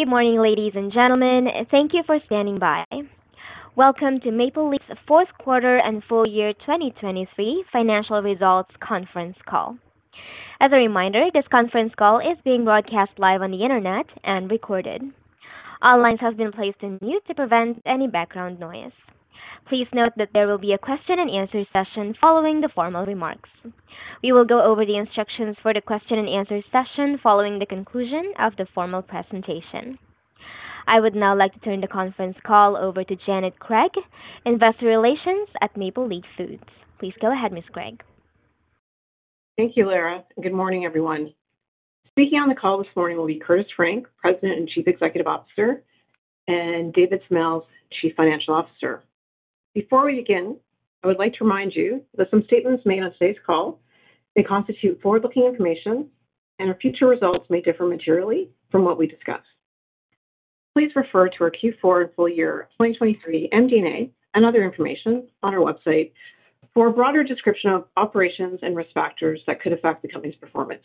Good morning, ladies and gentlemen, and thank you for standing by. Welcome to Maple Leaf's 4th quarter and full year 2023 financial results conference call. As a reminder, this conference call is being broadcast live on the internet and recorded. All lines have been placed on mute to prevent any background noise. Please note that there will be a question-and-answer session following the formal remarks. We will go over the instructions for the question-and-answer session following the conclusion of the formal presentation. I would now like to turn the conference call over to Janet Craig, Investor Relations at Maple Leaf Foods. Please go ahead, Ms. Craig. Thank you, Lara. Good morning, everyone. Speaking on the call this morning will be Curtis Frank, President and Chief Executive Officer, and David Smales, Chief Financial Officer. Before we begin, I would like to remind you that some statements made on today's call may constitute forward-looking information, and our future results may differ materially from what we discussed. Please refer to our Q4 and full year 2023 MD&A and other information on our website for a broader description of operations and risk factors that could affect the company's performance.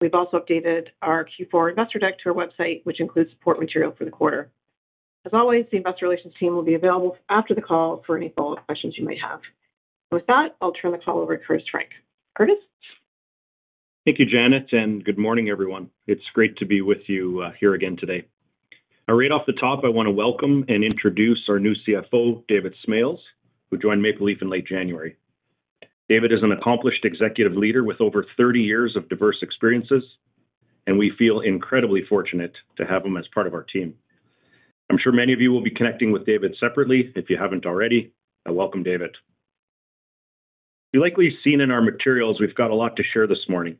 We've also updated our Q4 Investor Deck to our website, which includes support material for the quarter. As always, the Investor Relations team will be available after the call for any follow-up questions you might have. And with that, I'll turn the call over to Curtis Frank. Curtis? Thank you, Janet, and good morning, everyone. It's great to be with you here again today. Right off the top, I want to welcome and introduce our new CFO, David Smales, who joined Maple Leaf in late January. David is an accomplished executive leader with over 30 years of diverse experiences, and we feel incredibly fortunate to have him as part of our team. I'm sure many of you will be connecting with David separately if you haven't already. Welcome, David. You've likely seen in our materials we've got a lot to share this morning.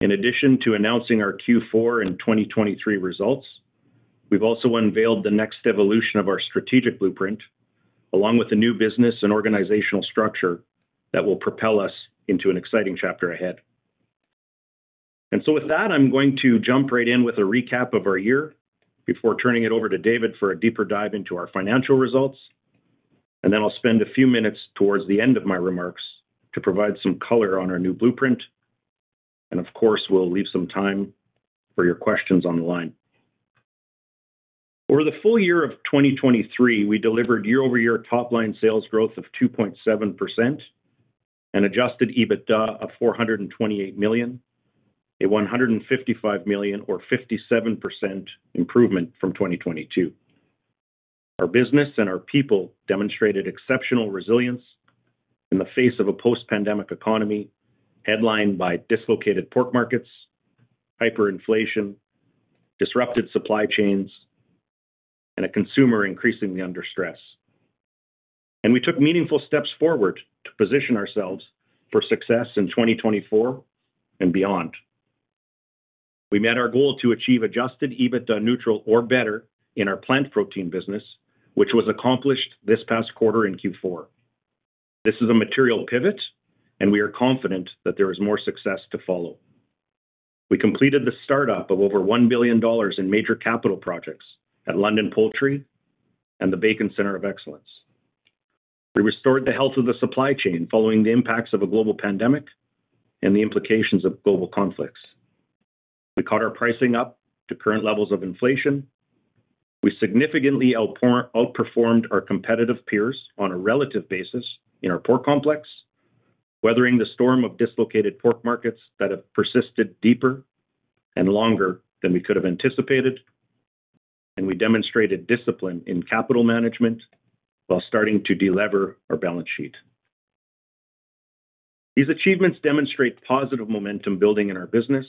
In addition to announcing our Q4 and 2023 results, we've also unveiled the next evolution of our strategic blueprint, along with a new business and organizational structure that will propel us into an exciting chapter ahead. And so with that, I'm going to jump right in with a recap of our year before turning it over to David for a deeper dive into our financial results. And then I'll spend a few minutes towards the end of my remarks to provide some color on our new blueprint. And of course, we'll leave some time for your questions on the line. Over the full year of 2023, we delivered year-over-year top-line sales growth of 2.7% and adjusted EBITDA of 428 million, a 155 million or 57% improvement from 2022. Our business and our people demonstrated exceptional resilience in the face of a post-pandemic economy headlined by dislocated pork markets, hyperinflation, disrupted supply chains, and a consumer increasingly under stress. And we took meaningful steps forward to position ourselves for success in 2024 and beyond. We met our goal to achieve Adjusted EBITDA neutral or better in our plant protein business, which was accomplished this past quarter in Q4. This is a material pivot, and we are confident that there is more success to follow. We completed the startup of over 1 billion dollars in major capital projects at London Poultry and the Bacon Centre of Excellence. We restored the health of the supply chain following the impacts of a global pandemic and the implications of global conflicts. We caught our pricing up to current levels of inflation. We significantly outperformed our competitive peers on a relative basis in our pork complex, weathering the storm of dislocated pork markets that have persisted deeper and longer than we could have anticipated. We demonstrated discipline in capital management while starting to delever our balance sheet. These achievements demonstrate positive momentum building in our business.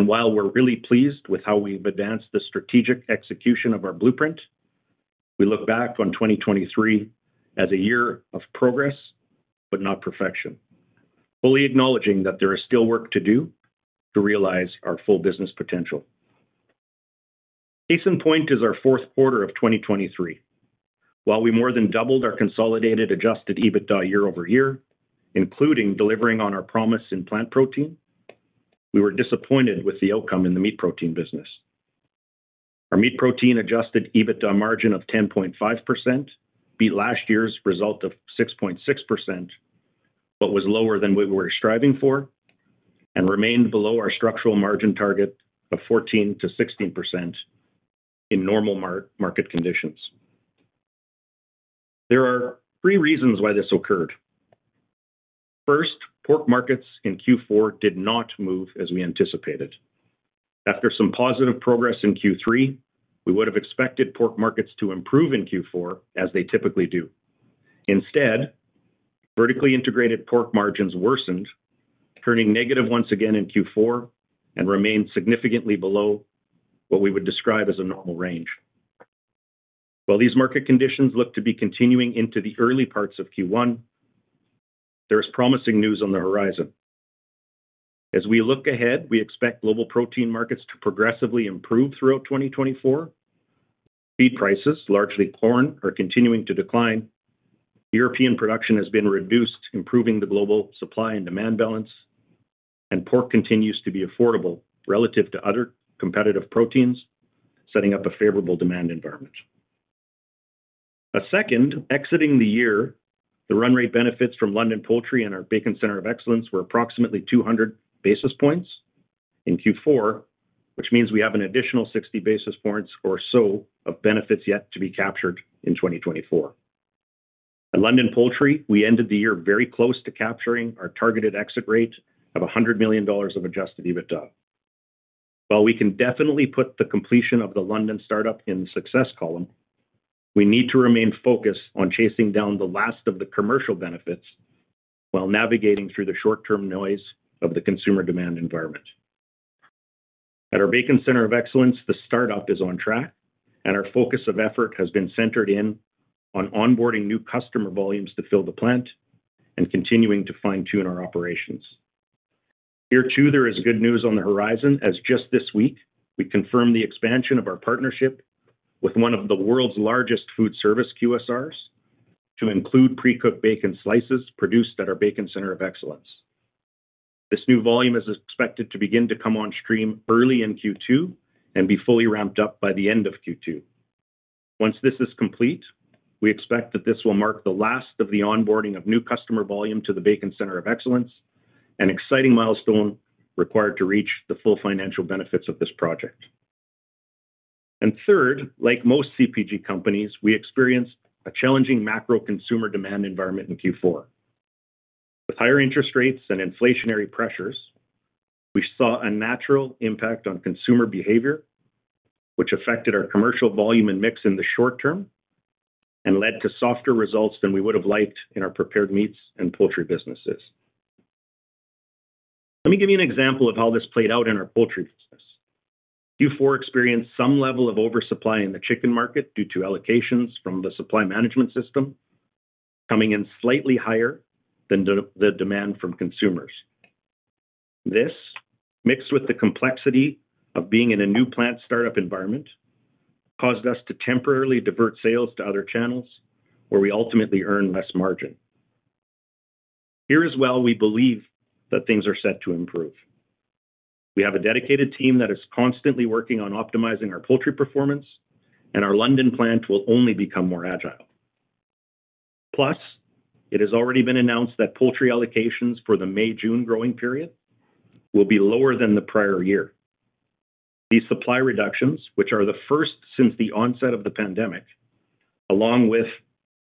While we're really pleased with how we've advanced the strategic execution of our blueprint, we look back on 2023 as a year of progress but not perfection, fully acknowledging that there is still work to do to realize our full business potential. Case in point is our fourth quarter of 2023. While we more than doubled our consolidated adjusted EBITDA year-over-year, including delivering on our promise in plant protein, we were disappointed with the outcome in the meat protein business. Our meat protein adjusted EBITDA margin of 10.5% beat last year's result of 6.6%, but was lower than we were striving for and remained below our structural margin target of 14%-16% in normal market conditions. There are three reasons why this occurred. First, pork markets in Q4 did not move as we anticipated. After some positive progress in Q3, we would have expected pork markets to improve in Q4 as they typically do. Instead, Vertically Integrated Pork Margins worsened, turning negative once again in Q4 and remained significantly below what we would describe as a normal range. While these market conditions look to be continuing into the early parts of Q1, there is promising news on the horizon. As we look ahead, we expect global protein markets to progressively improve throughout 2024. Feed prices, largely corn, are continuing to decline. European production has been reduced, improving the global supply and demand balance. And pork continues to be affordable relative to other competitive proteins, setting up a favorable demand environment. Second, exiting the year, the run rate benefits from London Poultry and our Bacon Center of Excellence were approximately 200 basis points in Q4, which means we have an additional 60 basis points or so of benefits yet to be captured in 2024. At London Poultry, we ended the year very close to capturing our targeted exit rate of 100 million dollars of Adjusted EBITDA. While we can definitely put the completion of the London startup in the success column, we need to remain focused on chasing down the last of the commercial benefits while navigating through the short-term noise of the consumer demand environment. At our Bacon Center of Excellence, the startup is on track, and our focus of effort has been centered in on onboarding new customer volumes to fill the plant and continuing to fine-tune our operations. Year two, there is good news on the horizon, as just this week, we confirmed the expansion of our partnership with one of the world's largest food service QSRs to include pre-cooked bacon slices produced at our Bacon Center of Excellence. This new volume is expected to begin to come on stream early in Q2 and be fully ramped up by the end of Q2. Once this is complete, we expect that this will mark the last of the onboarding of new customer volume to the Bacon Center of Excellence, an exciting milestone required to reach the full financial benefits of this project. And third, like most CPG companies, we experienced a challenging macro consumer demand environment in Q4. With higher interest rates and inflationary pressures, we saw a natural impact on consumer behavior, which affected our commercial volume and mix in the short term and led to softer results than we would have liked in our prepared meats and poultry businesses. Let me give you an example of how this played out in our poultry business. Q4 experienced some level of oversupply in the chicken market due to allocations from the Supply Management System coming in slightly higher than the demand from consumers. This, mixed with the complexity of being in a new plant startup environment, caused us to temporarily divert sales to other channels, where we ultimately earn less margin. Here as well, we believe that things are set to improve. We have a dedicated team that is constantly working on optimizing our poultry performance, and our London plant will only become more agile. Plus, it has already been announced that poultry allocations for the May-June growing period will be lower than the prior year. These supply reductions, which are the first since the onset of the pandemic, along with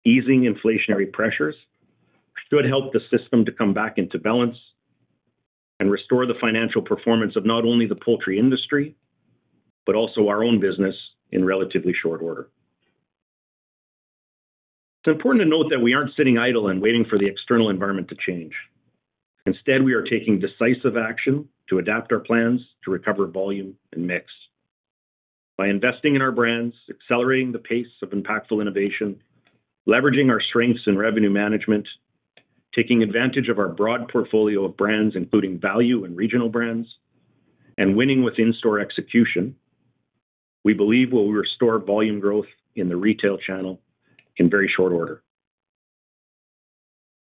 easing inflationary pressures, should help the system to come back into balance and restore the financial performance of not only the poultry industry but also our own business in relatively short order. It's important to note that we aren't sitting idle and waiting for the external environment to change. Instead, we are taking decisive action to adapt our plans to recover volume and mix by investing in our brands, accelerating the pace of impactful innovation, leveraging our strengths in revenue management, taking advantage of our broad portfolio of brands, including value and regional brands, and winning with in-store execution. We believe we will restore volume growth in the retail channel in very short order.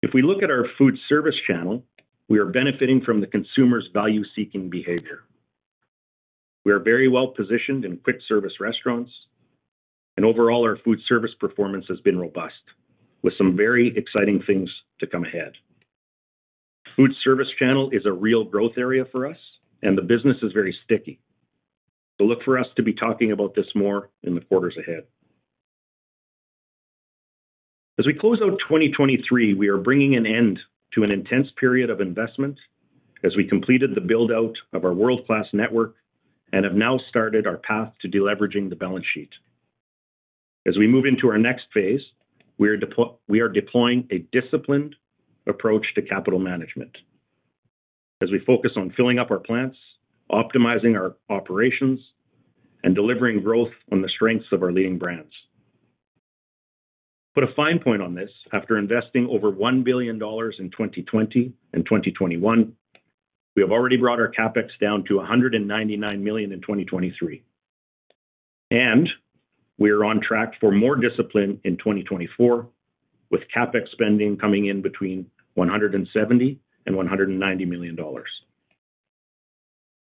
If we look at our food service channel, we are benefiting from the consumer's value-seeking behavior. We are very well positioned in quick-service restaurants, and overall, our food service performance has been robust, with some very exciting things to come ahead. Food service channel is a real growth area for us, and the business is very sticky. So look for us to be talking about this more in the quarters ahead. As we close out 2023, we are bringing an end to an intense period of investment as we completed the build-out of our world-class network and have now started our path to deleveraging the balance sheet. As we move into our next phase, we are deploying a disciplined approach to capital management as we focus on filling up our plants, optimizing our operations, and delivering growth on the strengths of our leading brands. Put a fine point on this: after investing over 1 billion dollars in 2020 and 2021, we have already brought our CapEx down to 199 million in 2023. We are on track for more discipline in 2024, with CapEx spending coming in between 170 million and 190 million dollars.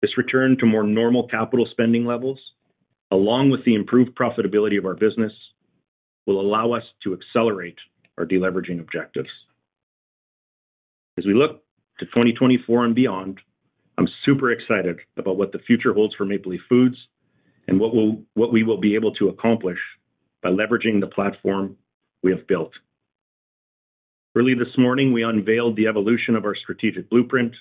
This return to more normal capital spending levels, along with the improved profitability of our business, will allow us to accelerate our deleveraging objectives. As we look to 2024 and beyond, I'm super excited about what the future holds for Maple Leaf Foods and what we will be able to accomplish by leveraging the platform we have built. Early this morning, we unveiled the evolution of our strategic blueprint,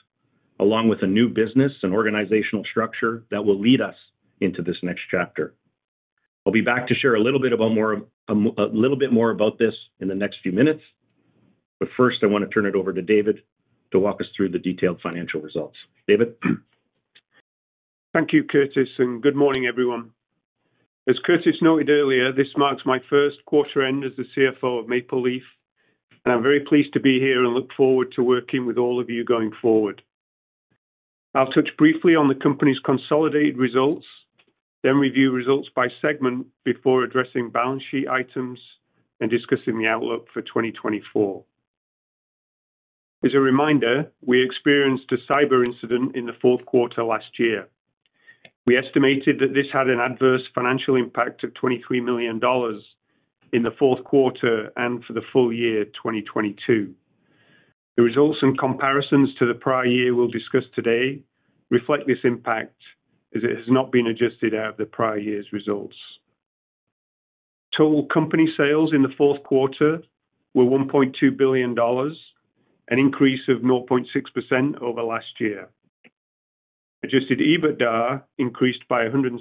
along with a new business and organizational structure that will lead us into this next chapter. I'll be back to share a little bit more about this in the next few minutes. But first, I want to turn it over to David to walk us through the detailed financial results. David? Thank you, Curtis, and good morning, everyone. As Curtis noted earlier, this marks my first quarter end as the CFO of Maple Leaf, and I'm very pleased to be here and look forward to working with all of you going forward. I'll touch briefly on the company's consolidated results, then review results by segment before addressing balance sheet items and discussing the outlook for 2024. As a reminder, we experienced a cyber incident in the fourth quarter last year. We estimated that this had an adverse financial impact of 23 million dollars in the fourth quarter and for the full year 2022. The results and comparisons to the prior year we'll discuss today reflect this impact, as it has not been adjusted out of the prior year's results. Total company sales in the fourth quarter were 1.2 billion dollars, an increase of 0.6% over last year. Adjusted EBITDA increased by 117%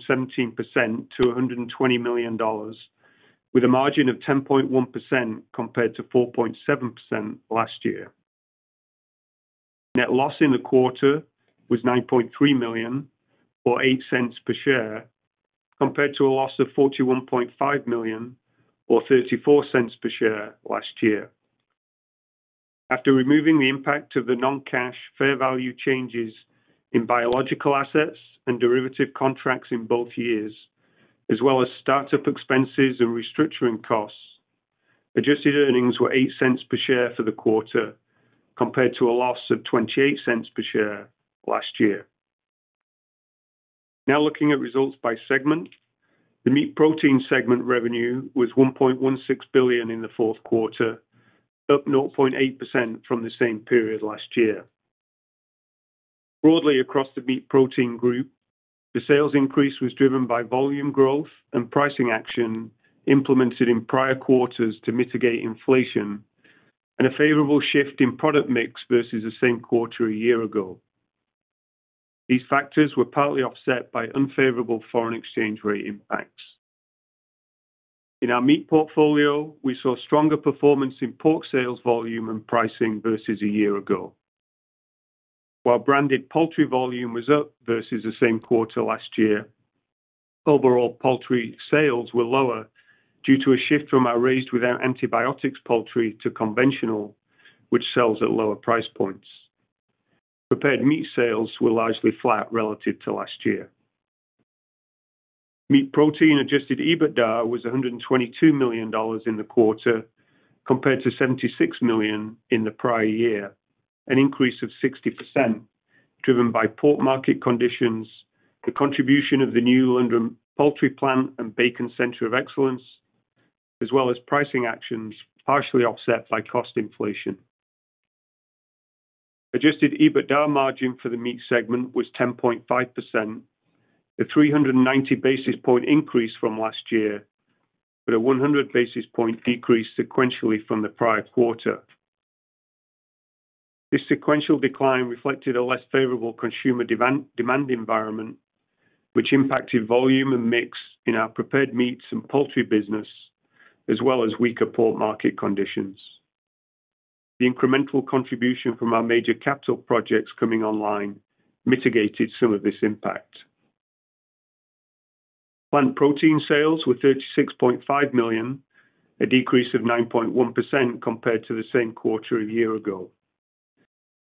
to 120 million dollars, with a margin of 10.1% compared to 4.7% last year. Net loss in the quarter was 9.3 million or 0.08 per share, compared to a loss of 41.5 million or 0.34 per share last year. After removing the impact of the non-cash fair value changes in biological assets and derivative contracts in both years, as well as startup expenses and restructuring costs, adjusted earnings were 0.08 per share for the quarter, compared to a loss of 0.28 per share last year. Now looking at results by segment, the meat protein segment revenue was 1.16 billion in the fourth quarter, up 0.8% from the same period last year. Broadly across the meat protein group, the sales increase was driven by volume growth and pricing action implemented in prior quarters to mitigate inflation and a favorable shift in product mix versus the same quarter a year ago. These factors were partly offset by unfavorable foreign exchange rate impacts. In our meat portfolio, we saw stronger performance in pork sales volume and pricing versus a year ago. While branded poultry volume was up versus the same quarter last year, overall poultry sales were lower due to a shift from our raised-without-antibiotics poultry to conventional, which sells at lower price points. Prepared meat sales were largely flat relative to last year. Meat protein Adjusted EBITDA was 122 million dollars in the quarter compared to 76 million in the prior year, an increase of 60% driven by pork market conditions, the contribution of the new London Poultry Plant and Bacon Center of Excellence, as well as pricing actions partially offset by cost inflation. Adjusted EBITDA margin for the meat segment was 10.5%, a 390 basis point increase from last year, but a 100 basis point decrease sequentially from the prior quarter. This sequential decline reflected a less favorable consumer demand environment, which impacted volume and mix in our prepared meats and poultry business, as well as weaker pork market conditions. The incremental contribution from our major capital projects coming online mitigated some of this impact. Plant protein sales were 36.5 million, a decrease of 9.1% compared to the same quarter a year ago.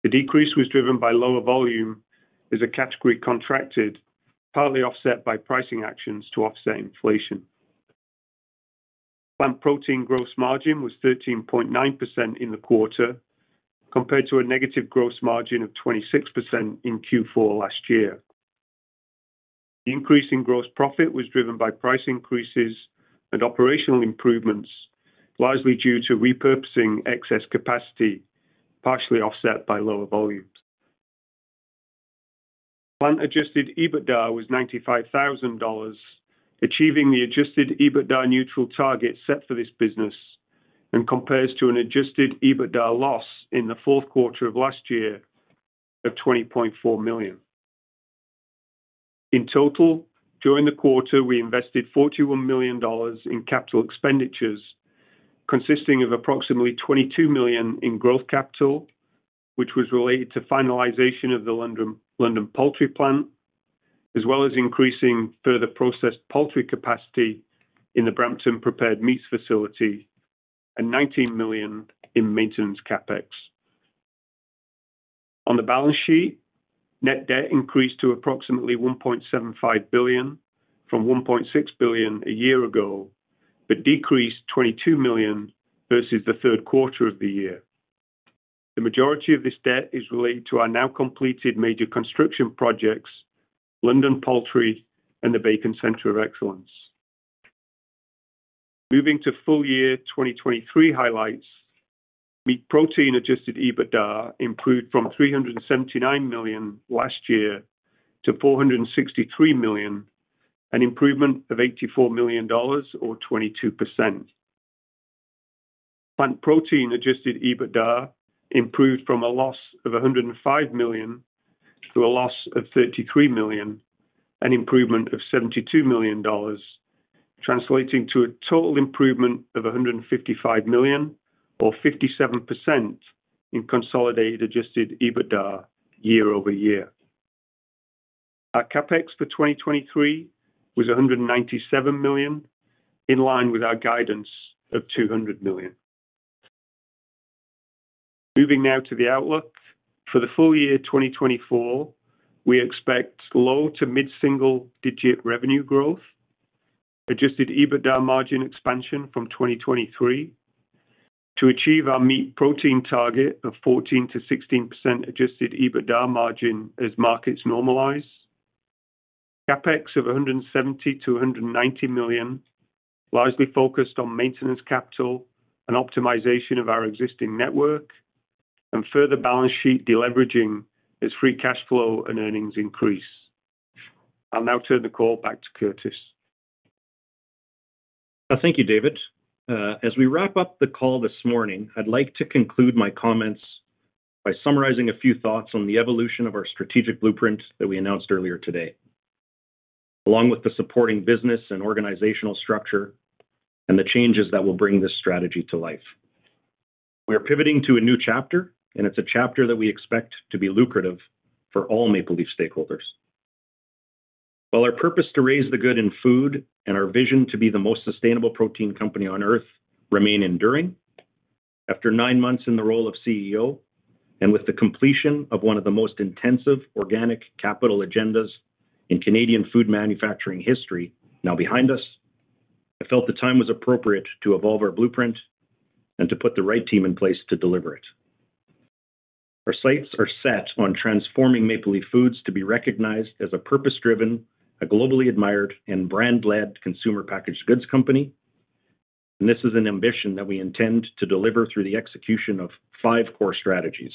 The decrease was driven by lower volume as a category contracted, partly offset by pricing actions to offset inflation. Plant protein gross margin was 13.9% in the quarter, compared to a negative gross margin of -26% in Q4 last year. The increase in gross profit was driven by price increases and operational improvements, largely due to repurposing excess capacity, partially offset by lower volumes. Plant adjusted EBITDA was 95,000 dollars, achieving the adjusted EBITDA neutral target set for this business and compares to an adjusted EBITDA loss in the fourth quarter of last year of -20.4 million. In total, during the quarter, we invested 41 million dollars in capital expenditures, consisting of approximately 22 million in growth capital, which was related to finalization of the London Poultry Plant, as well as increasing further processed poultry capacity in the Brampton Prepared Meats facility and 19 million in maintenance CapEx. On the balance sheet, net debt increased to approximately 1.75 billion from 1.6 billion a year ago but decreased 22 million versus the third quarter of the year. The majority of this debt is related to our now completed major construction projects, London Poultry and the Bacon Center of Excellence. Moving to full year 2023 highlights: meat protein Adjusted EBITDA improved from 379 million last year to 463 million, an improvement of 84 million dollars or 22%. Plant protein Adjusted EBITDA improved from a loss of 105 million to a loss of 33 million, an improvement of 72 million dollars, translating to a total improvement of 155 million or 57% in consolidated Adjusted EBITDA year-over-year. Our CapEx for 2023 was 197 million, in line with our guidance of 200 million. Moving now to the outlook for the full year 2024, we expect low to mid-single digit revenue growth, Adjusted EBITDA margin expansion from 2023 to achieve our meat protein target of 14%-16% Adjusted EBITDA margin as markets normalize, Capex of 170 million-190 million, largely focused on maintenance capital and optimization of our existing network, and further balance sheet deleveraging as Free Cash Flow and earnings increase. I'll now turn the call back to Curtis. Thank you, David. As we wrap up the call this morning, I'd like to conclude my comments by summarizing a few thoughts on the evolution of our strategic blueprint that we announced earlier today, along with the supporting business and organizational structure and the changes that will bring this strategy to life. We are pivoting to a new chapter, and it's a chapter that we expect to be lucrative for all Maple Leaf stakeholders. While our purpose to Raise the Good in Food and our vision to be the most sustainable protein company on Earth remain enduring, after nine months in the role of CEO and with the completion of one of the most intensive organic capital agendas in Canadian food manufacturing history now behind us, I felt the time was appropriate to evolve our blueprint and to put the right team in place to deliver it. Our sights are set on transforming Maple Leaf Foods to be recognized as a purpose-driven, a globally admired, and brand-led consumer packaged goods company. This is an ambition that we intend to deliver through the execution of five core strategies: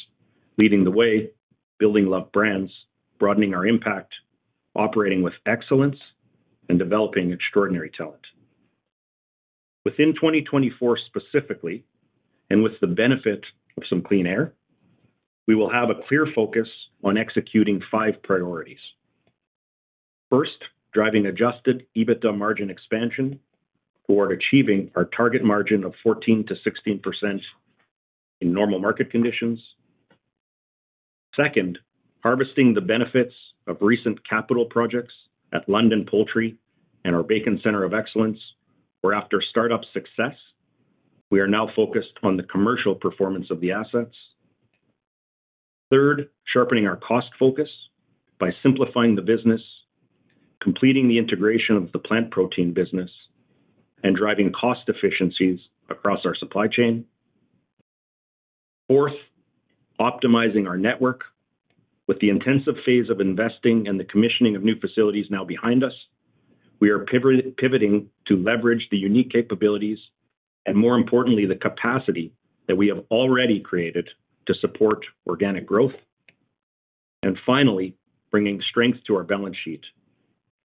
leading the way, building love brands, broadening our impact, operating with excellence, and developing extraordinary talent. Within 2024 specifically, and with the benefit of some clean air, we will have a clear focus on executing five priorities. First, driving Adjusted EBITDA margin expansion toward achieving our target margin of 14%-16% in normal market conditions. Second, harvesting the benefits of recent capital projects at London Poultry and our Bacon Center of Excellence, where after startup success, we are now focused on the commercial performance of the assets. Third, sharpening our cost focus by simplifying the business, completing the integration of the plant protein business, and driving cost efficiencies across our supply chain. Fourth, optimizing our network. With the intensive phase of investing and the commissioning of new facilities now behind us, we are pivoting to leverage the unique capabilities and, more importantly, the capacity that we have already created to support organic growth. And finally, bringing strength to our balance sheet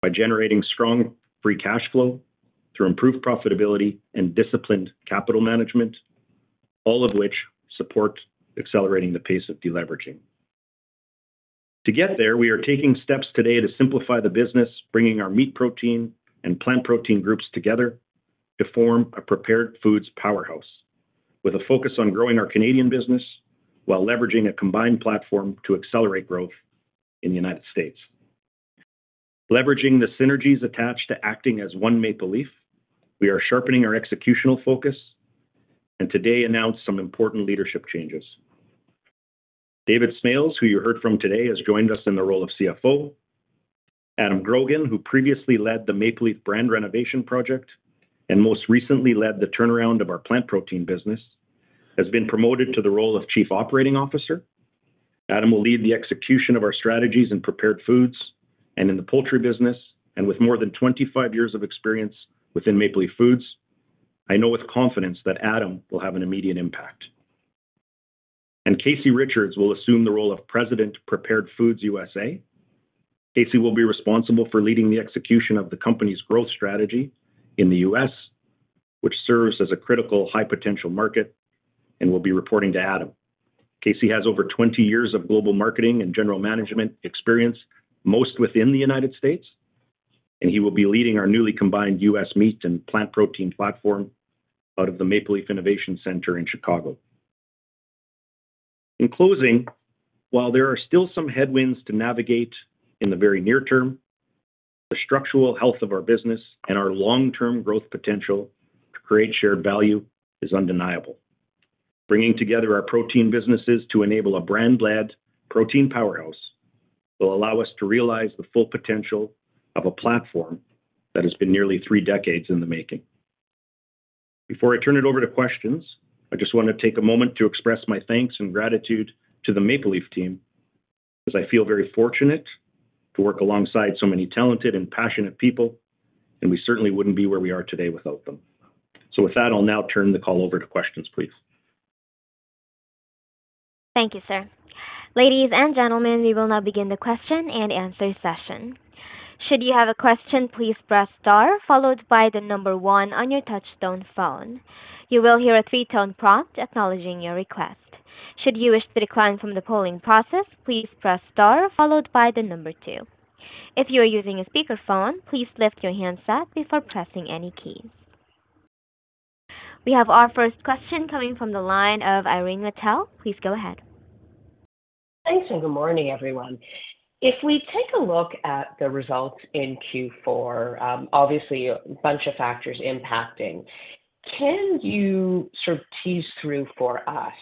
by generating strong free cash flow through improved profitability and disciplined capital management, all of which support accelerating the pace of deleveraging. To get there, we are taking steps today to simplify the business, bringing our meat protein and plant protein groups together to form a prepared foods powerhouse with a focus on growing our Canadian business while leveraging a combined platform to accelerate growth in the United States. Leveraging the synergies attached to acting as one Maple Leaf, we are sharpening our executional focus and today announced some important leadership changes. David Smales, who you heard from today, has joined us in the role of CFO. Adam Grogan, who previously led the Maple Leaf brand renovation project and most recently led the turnaround of our plant protein business, has been promoted to the role of Chief Operating Officer. Adam will lead the execution of our strategies in prepared foods and in the poultry business. With more than 25 years of experience within Maple Leaf Foods, I know with confidence that Adam will have an immediate impact. Casey Richards will assume the role of President Prepared Foods USA. Casey will be responsible for leading the execution of the company's growth strategy in the U.S., which serves as a critical high-potential market and will be reporting to Adam. Casey has over 20 years of global marketing and general management experience, most within the United States. He will be leading our newly combined U.S. meat and plant protein platform out of the Maple Leaf Innovation Center in Chicago. In closing, while there are still some headwinds to navigate in the very near term, the structural health of our business and our long-term growth potential to create shared value is undeniable. Bringing together our protein businesses to enable a brand-led protein powerhouse will allow us to realize the full potential of a platform that has been nearly three decades in the making. Before I turn it over to questions, I just want to take a moment to express my thanks and gratitude to the Maple Leaf team, as I feel very fortunate to work alongside so many talented and passionate people, and we certainly wouldn't be where we are today without them. So with that, I'll now turn the call over to questions, please. Thank you, sir. Ladies and gentlemen, we will now begin the question and answer session. Should you have a question, please press star followed by one on your touch-tone phone. You will hear a three-tone prompt acknowledging your request. Should you wish to decline from the polling process, please press star followed by two. If you are using a speakerphone, please lift your handset before pressing any keys. We have our first question coming from the line of Irene Nattel. Please go ahead. Thanks and good morning, everyone. If we take a look at the results in Q4, obviously a bunch of factors impacting, can you sort of tease through for us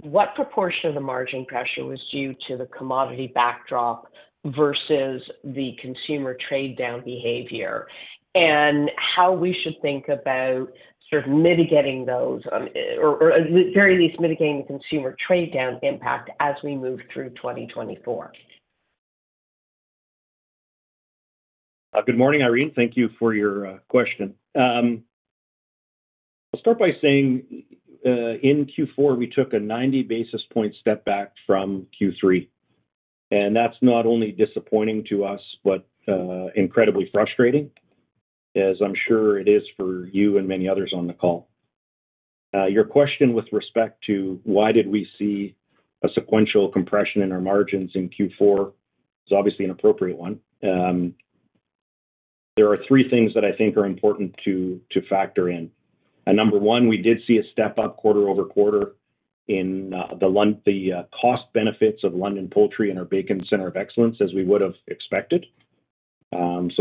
what proportion of the margin pressure was due to the commodity backdrop versus the consumer trade-down behavior and how we should think about sort of mitigating those or, at the very least, mitigating the consumer trade-down impact as we move through 2024? Good morning, Irene. Thank you for your question. I'll start by saying in Q4, we took a 90 basis point step back from Q3. That's not only disappointing to us but incredibly frustrating, as I'm sure it is for you and many others on the call. Your question with respect to why did we see a sequential compression in our margins in Q4 is obviously an appropriate one. There are three things that I think are important to factor in. Number one, we did see a step up quarter-over-quarter in the cost benefits of London Poultry and our Bacon Center of Excellence as we would have expected.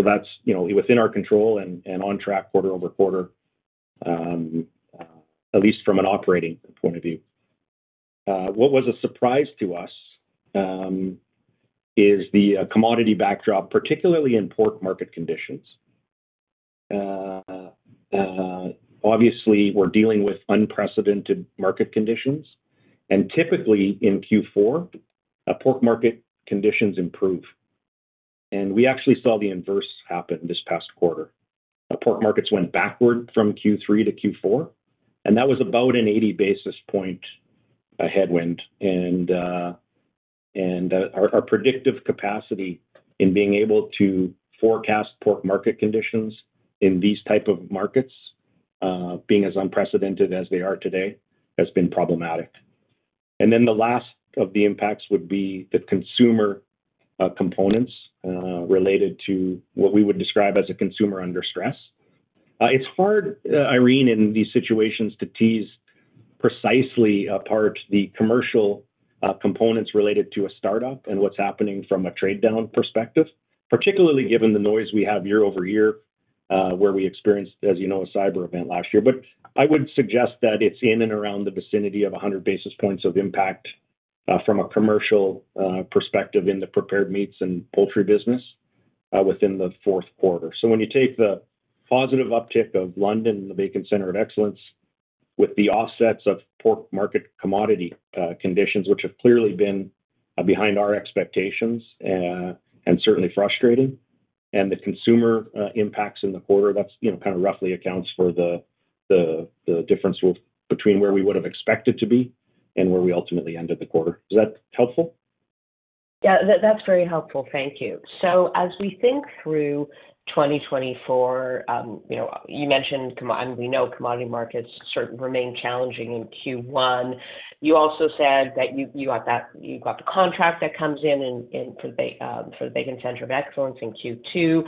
That's within our control and on track quarter-over-quarter, at least from an operating point of view. What was a surprise to us is the commodity backdrop, particularly in pork market conditions. Obviously, we're dealing with unprecedented market conditions. And typically in Q4, pork market conditions improve. And we actually saw the inverse happen this past quarter. Pork markets went backward from Q3 to Q4. And that was about an 80 basis point headwind. And our predictive capacity in being able to forecast pork market conditions in these type of markets, being as unprecedented as they are today, has been problematic. And then the last of the impacts would be the consumer components related to what we would describe as a consumer under stress. It's hard, Irene, in these situations to tease precisely apart the commercial components related to a startup and what's happening from a trade-down perspective, particularly given the noise we have year over year where we experienced, as you know, a cyber event last year. I would suggest that it's in and around the vicinity of 100 basis points of impact from a commercial perspective in the prepared meats and poultry business within the fourth quarter. So when you take the positive uptick of London and the Bacon Center of Excellence with the offsets of pork market commodity conditions, which have clearly been behind our expectations and certainly frustrating, and the consumer impacts in the quarter, that kind of roughly accounts for the difference between where we would have expected to be and where we ultimately ended the quarter. Is that helpful? Yeah, that's very helpful. Thank you. So as we think through 2024, you mentioned we know commodity markets remain challenging in Q1. You also said that you got the contract that comes in for the Bacon Center of Excellence in Q2.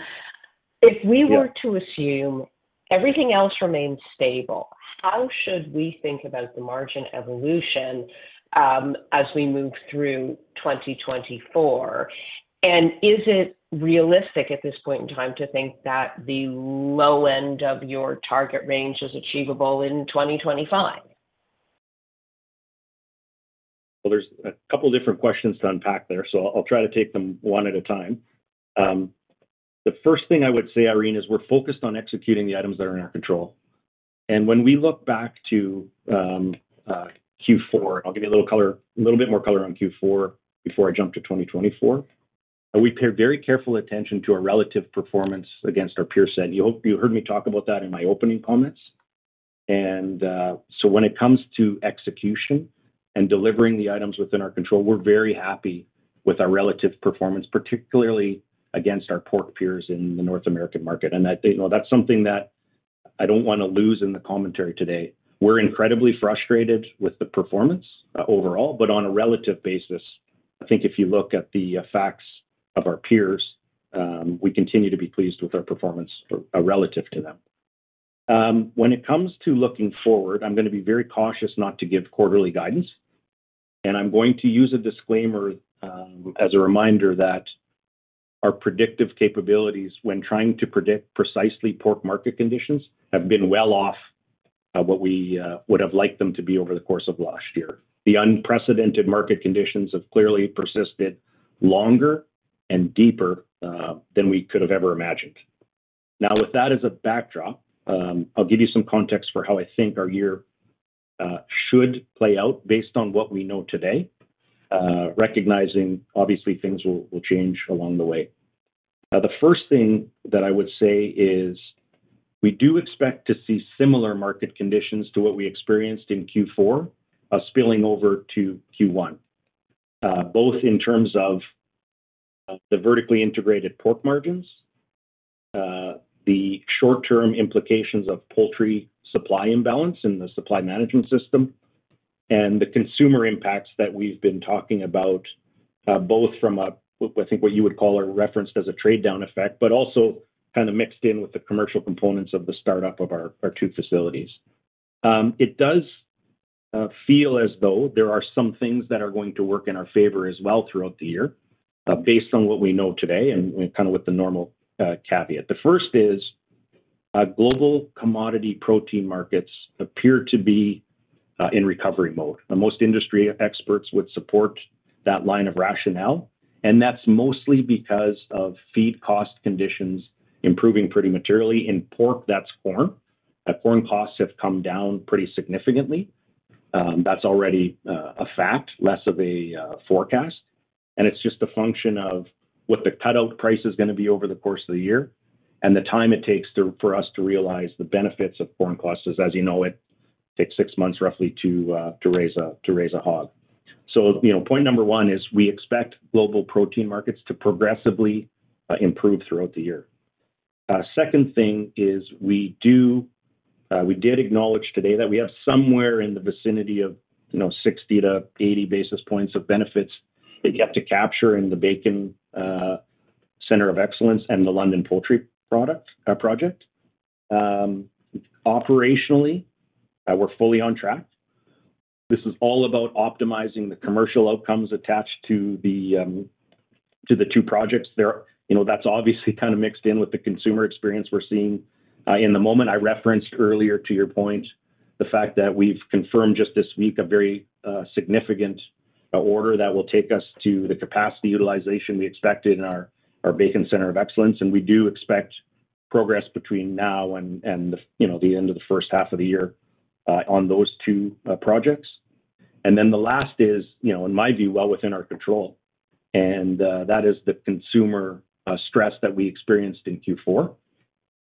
If we were to assume everything else remains stable, how should we think about the margin evolution as we move through 2024? And is it realistic at this point in time to think that the low end of your target range is achievable in 2025? Well, there's a couple of different questions to unpack there, so I'll try to take them one at a time. The first thing I would say, Irene, is we're focused on executing the items that are in our control. When we look back to Q4, and I'll give you a little bit more color on Q4 before I jump to 2024, we pay very careful attention to our relative performance against our peer set. You heard me talk about that in my opening comments. When it comes to execution and delivering the items within our control, we're very happy with our relative performance, particularly against our pork peers in the North American market. That's something that I don't want to lose in the commentary today. We're incredibly frustrated with the performance overall, but on a relative basis, I think if you look at the facts of our peers, we continue to be pleased with our performance relative to them. When it comes to looking forward, I'm going to be very cautious not to give quarterly guidance. I'm going to use a disclaimer as a reminder that our predictive capabilities when trying to predict precisely pork market conditions have been well off what we would have liked them to be over the course of last year. The unprecedented market conditions have clearly persisted longer and deeper than we could have ever imagined. Now, with that as a backdrop, I'll give you some context for how I think our year should play out based on what we know today, recognizing, obviously, things will change along the way. The first thing that I would say is we do expect to see similar market conditions to what we experienced in Q4 spilling over to Q1, both in terms of the Vertically Integrated Pork Margins, the short-term implications of poultry supply imbalance in the Supply Management System, and the consumer impacts that we've been talking about both from, I think, what you would call or referenced as a trade-down effect, but also kind of mixed in with the commercial components of the startup of our two facilities. It does feel as though there are some things that are going to work in our favor as well throughout the year based on what we know today and kind of with the normal caveat. The first is global commodity protein markets appear to be in recovery mode. Most industry experts would support that line of rationale. And that's mostly because of feed cost conditions improving pretty materially. In pork, that's corn. Corn costs have come down pretty significantly. That's already a fact, less of a forecast. And it's just a function of what the cutout price is going to be over the course of the year and the time it takes for us to realize the benefits of corn costs. As you know, it takes six months, roughly, to raise a hog. So point number one is we expect global protein markets to progressively improve throughout the year. Second thing is we did acknowledge today that we have somewhere in the vicinity of 60-80 basis points of benefits that you have to capture in the Bacon Center of Excellence and the London Poultry project. Operationally, we're fully on track. This is all about optimizing the commercial outcomes attached to the two projects. That's obviously kind of mixed in with the consumer experience we're seeing in the moment. I referenced earlier to your point the fact that we've confirmed just this week a very significant order that will take us to the capacity utilization we expected in our Bacon Center of Excellence. We do expect progress between now and the end of the first half of the year on those two projects. Then the last is, in my view, well within our control. That is the consumer stress that we experienced in Q4.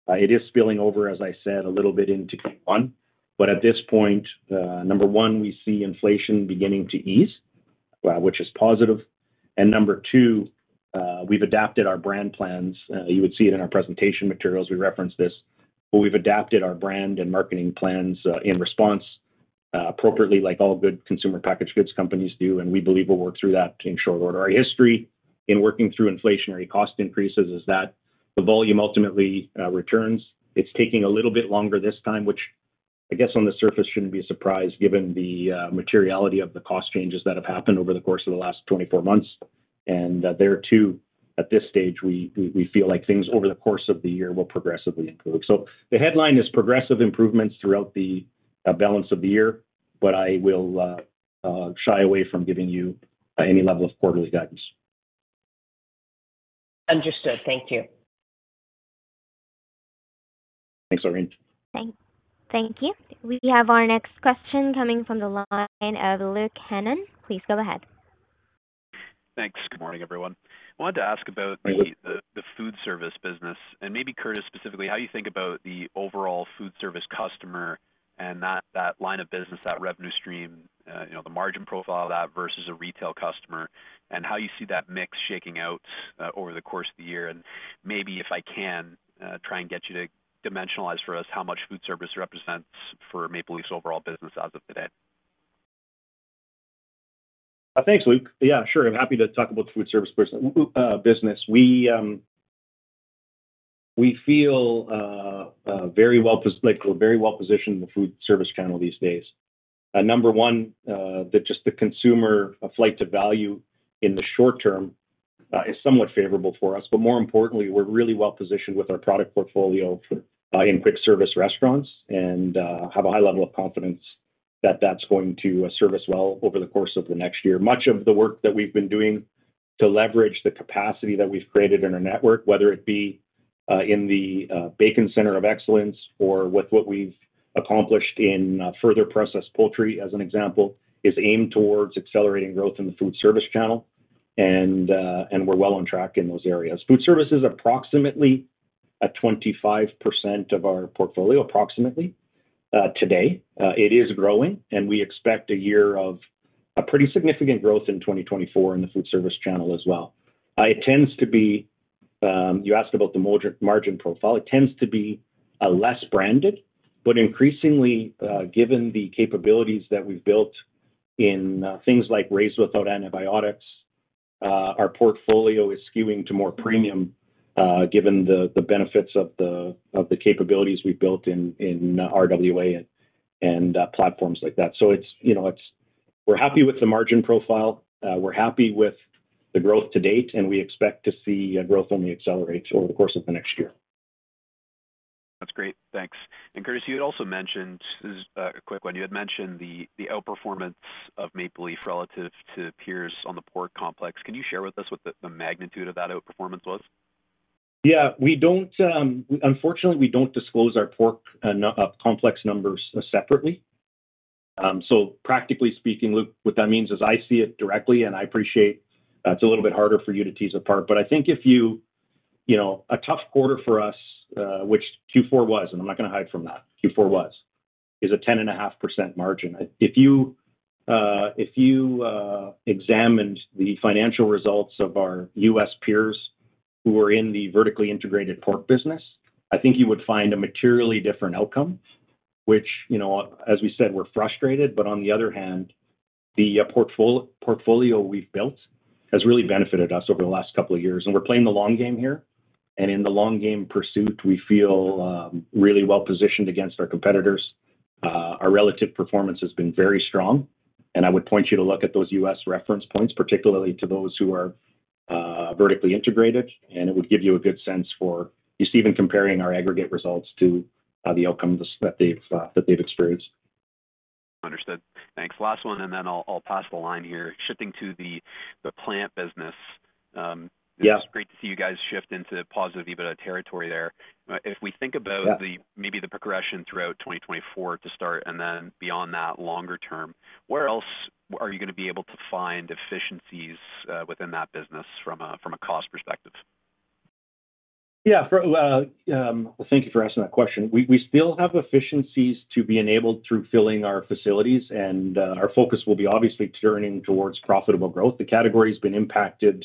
It is spilling over, as I said, a little bit into Q1. At this point, number one, we see inflation beginning to ease, which is positive. Number two, we've adapted our brand plans. You would see it in our presentation materials. We reference this. But we've adapted our brand and marketing plans in response appropriately, like all good consumer packaged goods companies do. And we believe we'll work through that in short order. Our history in working through inflationary cost increases is that the volume ultimately returns. It's taking a little bit longer this time, which, I guess, on the surface shouldn't be a surprise given the materiality of the cost changes that have happened over the course of the last 24 months. And there too, at this stage, we feel like things over the course of the year will progressively improve. So the headline is progressive improvements throughout the balance of the year. But I will shy away from giving you any level of quarterly guidance. Understood. Thank you. Thanks, Irene. Thank you. We have our next question coming from the line of Luke Hannan. Please go ahead. Thanks. Good morning, everyone. I wanted to ask about the food service business and maybe Curtis specifically, how you think about the overall food service customer and that line of business, that revenue stream, the margin profile of that versus a retail customer, and how you see that mix shaking out over the course of the year. Maybe, if I can, try and get you to dimensionalize for us how much food service represents for Maple Leaf's overall business as of today. Thanks, Luke. Yeah, sure. I'm happy to talk about the food service business. We feel very well positioned in the food service channel these days. Number one, just the consumer flight to value in the short term is somewhat favorable for us. But more importantly, we're really well positioned with our product portfolio in quick service restaurants and have a high level of confidence that that's going to serve well over the course of the next year. Much of the work that we've been doing to leverage the capacity that we've created in our network, whether it be in the Bacon Center of Excellence or with what we've accomplished in further processed poultry, as an example, is aimed towards accelerating growth in the food service channel. And we're well on track in those areas. Food service is approximately 25% of our portfolio, approximately, today. It is growing. We expect a year of pretty significant growth in 2024 in the food service channel as well. It tends to be, you asked about the margin profile. It tends to be less branded. But increasingly, given the capabilities that we've built in things like raised without antibiotics, our portfolio is skewing to more premium given the benefits of the capabilities we've built in RWA and platforms like that. So we're happy with the margin profile. We're happy with the growth to date. And we expect to see growth only accelerate over the course of the next year. That's great. Thanks. Curtis, you had also mentioned a quick one. You had mentioned the outperformance of Maple Leaf relative to peers on the pork complex. Can you share with us what the magnitude of that outperformance was? Yeah. Unfortunately, we don't disclose our pork complex numbers separately. So practically speaking, Luke, what that means is I see it directly. And I appreciate it's a little bit harder for you to tease apart. But I think if you a tough quarter for us, which Q4 was, and I'm not going to hide from that, Q4 was, is a 10.5% margin. If you examined the financial results of our U.S. peers who were in the vertically integrated pork business, I think you would find a materially different outcome, which, as we said, we're frustrated. But on the other hand, the portfolio we've built has really benefited us over the last couple of years. And we're playing the long game here. And in the long game pursuit, we feel really well positioned against our competitors. Our relative performance has been very strong. I would point you to look at those U.S. reference points, particularly to those who are vertically integrated. It would give you a good sense, for you see, even comparing our aggregate results to the outcomes that they've experienced. Understood. Thanks. Last one. And then I'll pass the line here, shifting to the plant business. It's great to see you guys shift into positive EBITDA territory there. If we think about maybe the progression throughout 2024 to start and then beyond that longer term, where else are you going to be able to find efficiencies within that business from a cost perspective? Yeah. Well, thank you for asking that question. We still have efficiencies to be enabled through filling our facilities. Our focus will be obviously turning towards profitable growth. The category has been impacted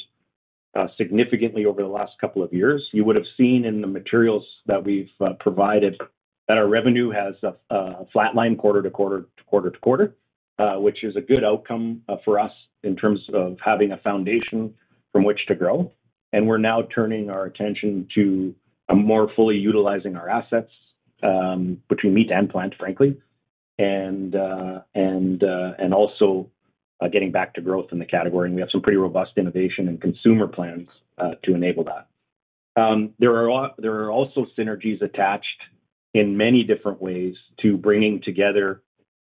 significantly over the last couple of years. You would have seen in the materials that we've provided that our revenue has flatlined quarter to quarter to quarter to quarter, which is a good outcome for us in terms of having a foundation from which to grow. We're now turning our attention to more fully utilizing our assets between meat and plant, frankly, and also getting back to growth in the category. We have some pretty robust innovation and consumer plans to enable that. There are also synergies attached in many different ways to bringing together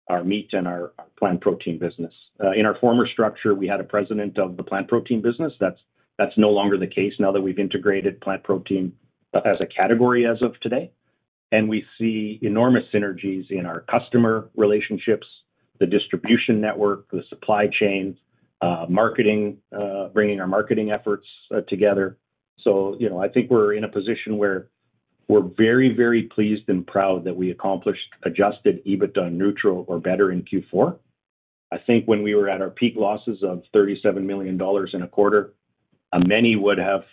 our meat and our plant protein business. In our former structure, we had a president of the plant protein business. That's no longer the case now that we've integrated plant protein as a category as of today. We see enormous synergies in our customer relationships, the distribution network, the supply chain, bringing our marketing efforts together. So I think we're in a position where we're very, very pleased and proud that we accomplished Adjusted EBITDA neutral or better in Q4. I think when we were at our peak losses of 37 million dollars in a quarter, many would have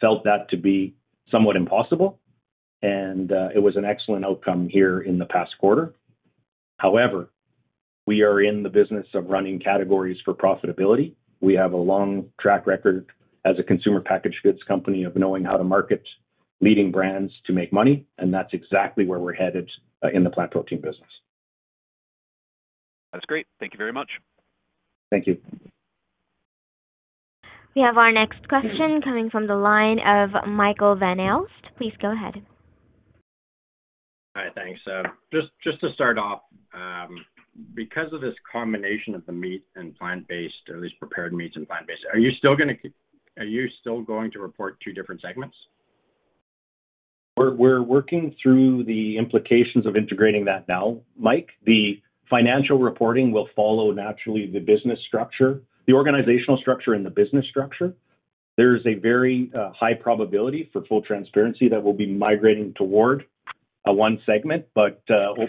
felt that to be somewhat impossible. It was an excellent outcome here in the past quarter. However, we are in the business of running categories for profitability. We have a long track record as a consumer packaged goods company of knowing how to market leading brands to make money. That's exactly where we're headed in the plant protein business. That's great. Thank you very much. Thank you. We have our next question coming from the line of Michael Van Aelst. Please go ahead. All right. Thanks. Just to start off, because of this combination of the meat and plant-based, at least prepared meats and plant-based, are you still going to report two different segments? We're working through the implications of integrating that now, Mike. The financial reporting will follow naturally the organizational structure and the business structure. There's a very high probability for full transparency that we'll be migrating toward one segment. But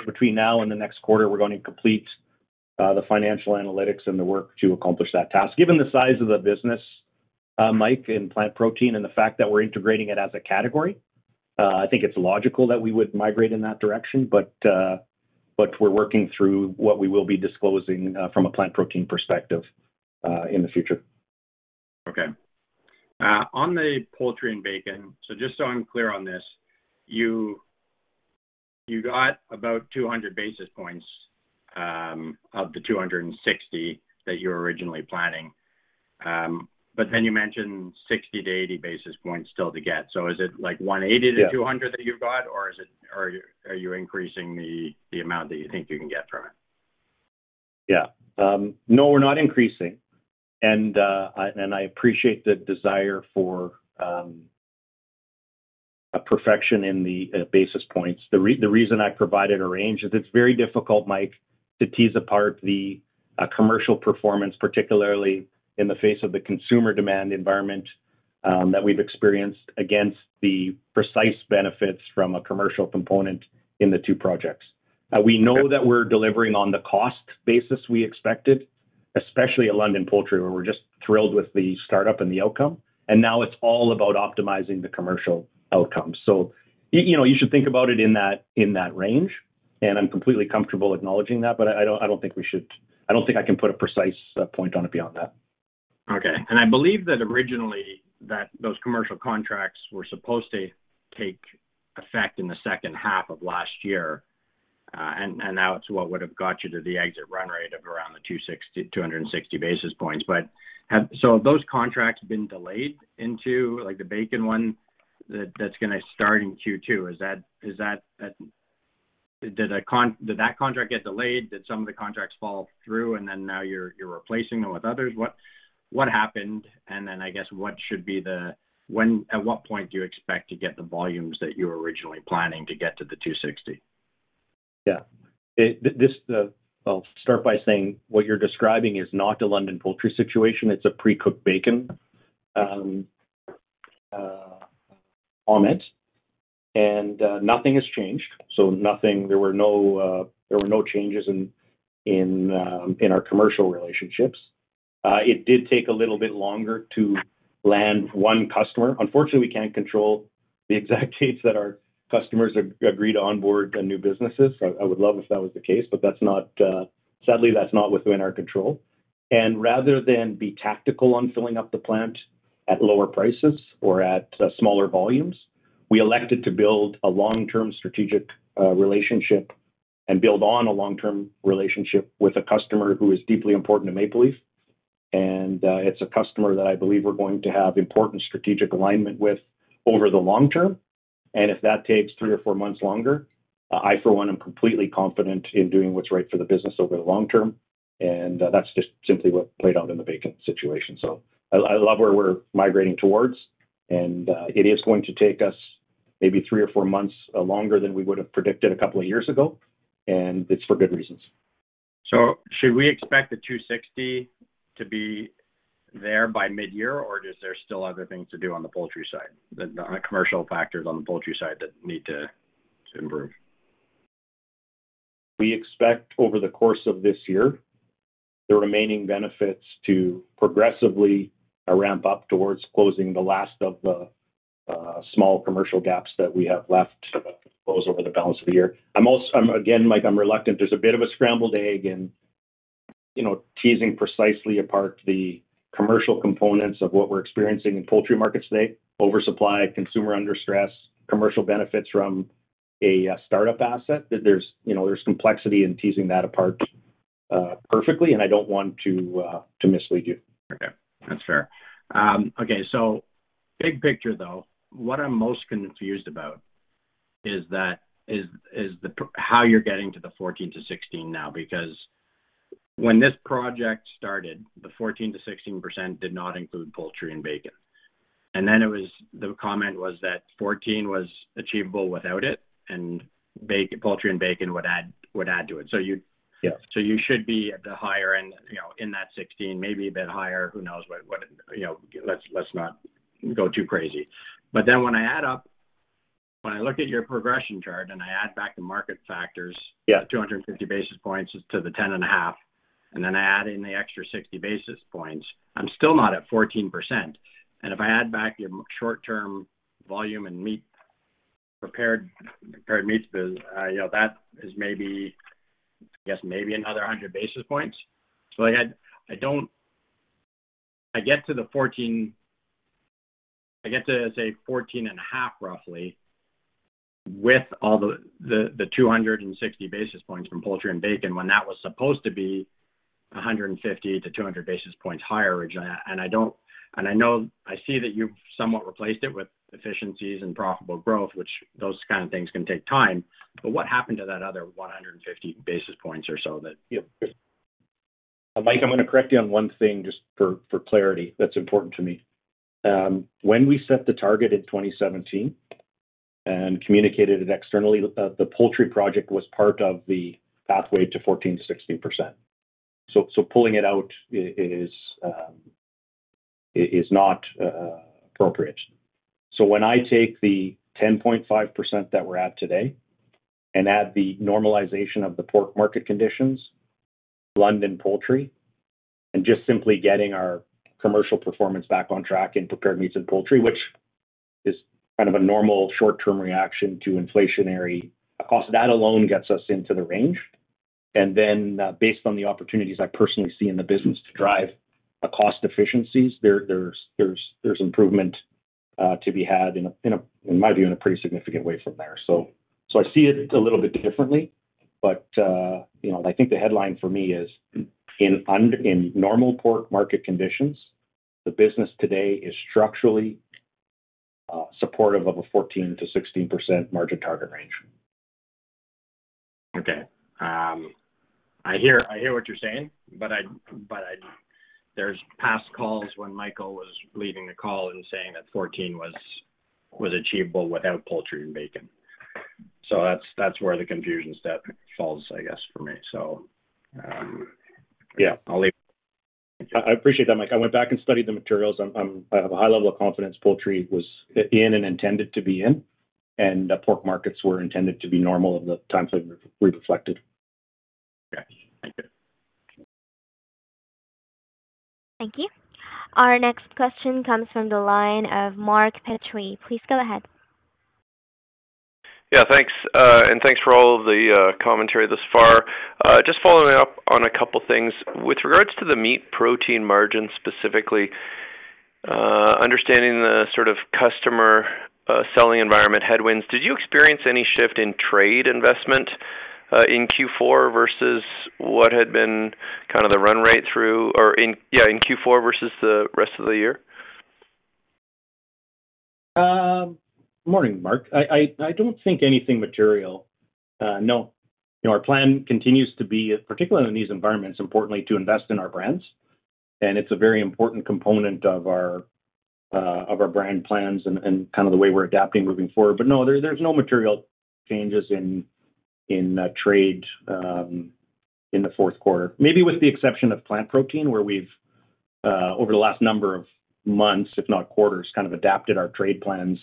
between now and the next quarter, we're going to complete the financial analytics and the work to accomplish that task. Given the size of the business, Mike, and plant protein and the fact that we're integrating it as a category, I think it's logical that we would migrate in that direction. But we're working through what we will be disclosing from a plant protein perspective in the future. Okay. On the poultry and bacon, so just so I'm clear on this, you got about 200 basis points of the 260 that you were originally planning. But then you mentioned 60-80 basis points still to get. So is it like 180-200 that you've got, or are you increasing the amount that you think you can get from it? Yeah. No, we're not increasing. And I appreciate the desire for perfection in the basis points. The reason I provided a range is it's very difficult, Mike, to tease apart the commercial performance, particularly in the face of the consumer demand environment that we've experienced, against the precise benefits from a commercial component in the two projects. We know that we're delivering on the cost basis we expected, especially at London Poultry, where we're just thrilled with the startup and the outcome. And now it's all about optimizing the commercial outcome. So you should think about it in that range. And I'm completely comfortable acknowledging that. But I don't think I can put a precise point on it beyond that. Okay. I believe that originally, those commercial contracts were supposed to take effect in the second half of last year. Now it's what would have got you to the exit run rate of around the 260 basis points. So have those contracts been delayed into the bacon one that's going to start in Q2? Did that contract get delayed? Did some of the contracts fall through, and then now you're replacing them with others? What happened? And then, I guess, what should be the at what point do you expect to get the volumes that you were originally planning to get to the 260? Yeah. I'll start by saying what you're describing is not the London Poultry situation. It's a pre-cooked bacon on it. And nothing has changed. So there were no changes in our commercial relationships. It did take a little bit longer to land one customer. Unfortunately, we can't control the exact dates that our customers agree to onboard the new businesses. I would love if that was the case. But sadly, that's not within our control. And rather than be tactical on filling up the plant at lower prices or at smaller volumes, we elected to build a long-term strategic relationship and build on a long-term relationship with a customer who is deeply important to Maple Leaf. And it's a customer that I believe we're going to have important strategic alignment with over the long term. And if that takes three or four months longer, I, for one, am completely confident in doing what's right for the business over the long term. And that's just simply what played out in the bacon situation. So I love where we're migrating towards. And it is going to take us maybe three or four months longer than we would have predicted a couple of years ago. And it's for good reasons. Should we expect the 260 to be there by mid-year, or is there still other things to do on the poultry side, the commercial factors on the poultry side that need to improve? We expect, over the course of this year, the remaining benefits to progressively ramp up towards closing the last of the small commercial gaps that we have left to close over the balance of the year. Again, Mike, I'm reluctant. There's a bit of a scrambled egg in teasing precisely apart the commercial components of what we're experiencing in poultry markets today: oversupply, consumer under stress, commercial benefits from a startup asset. There's complexity in teasing that apart perfectly. And I don't want to mislead you. Okay. That's fair. Okay. So big picture, though, what I'm most confused about is how you're getting to the 14%-16% now. Because when this project started, the 14%-16% did not include poultry and bacon. And then the comment was that 14% was achievable without it, and poultry and bacon would add to it. So you should be at the higher end in that 16%, maybe a bit higher. Who knows what, let's not go too crazy. But then when I add up when I look at your progression chart and I add back the market factors, 250 basis points to the 10.5, and then I add in the extra 60 basis points, I'm still not at 14%. And if I add back your short-term volume and meat prepared meats business, that is maybe, I guess, maybe another 100 basis points. So I get to the 14. I get to, say, 14.5, roughly, with all the 260 basis points from poultry and bacon when that was supposed to be 150-200 basis points higher originally. And I know I see that you've somewhat replaced it with efficiencies and profitable growth, which those kind of things can take time. But what happened to that other 150 basis points or so that? Mike, I'm going to correct you on one thing just for clarity that's important to me. When we set the target in 2017 and communicated it externally, the poultry project was part of the pathway to 14%-16%. So pulling it out is not appropriate. So when I take the 10.5% that we're at today and add the normalization of the pork market conditions, London Poultry, and just simply getting our commercial performance back on track in prepared meats and poultry, which is kind of a normal short-term reaction to inflationary cost, that alone gets us into the range. And then based on the opportunities I personally see in the business to drive cost efficiencies, there's improvement to be had, in my view, in a pretty significant way from there. So I see it a little bit differently. I think the headline for me is, in normal pork market conditions, the business today is structurally supportive of a 14%-16% margin target range. Okay. I hear what you're saying. But there's past calls when Michael was leaving the call and saying that 14 was achievable without poultry and bacon. So that's where the confusion falls, I guess, for me. So I'll leave it. I appreciate that, Mike. I went back and studied the materials. I have a high level of confidence poultry was in and intended to be in, and pork markets were intended to be normal at the times we reflected. Okay. Thank you. Thank you. Our next question comes from the line of Mark Petrie. Please go ahead. Yeah. Thanks. And thanks for all of the commentary thus far. Just following up on a couple of things. With regards to the meat protein margin specifically, understanding the sort of customer selling environment headwinds, did you experience any shift in trade investment in Q4 versus what had been kind of the run rate through or, yeah, in Q4 versus the rest of the year? Good morning, Mark. I don't think anything material. No. Our plan continues to be, particularly in these environments, importantly to invest in our brands. And it's a very important component of our brand plans and kind of the way we're adapting moving forward. But no, there's no material changes in trade in the fourth quarter, maybe with the exception of plant protein, where we've, over the last number of months, if not quarters, kind of adapted our trade plans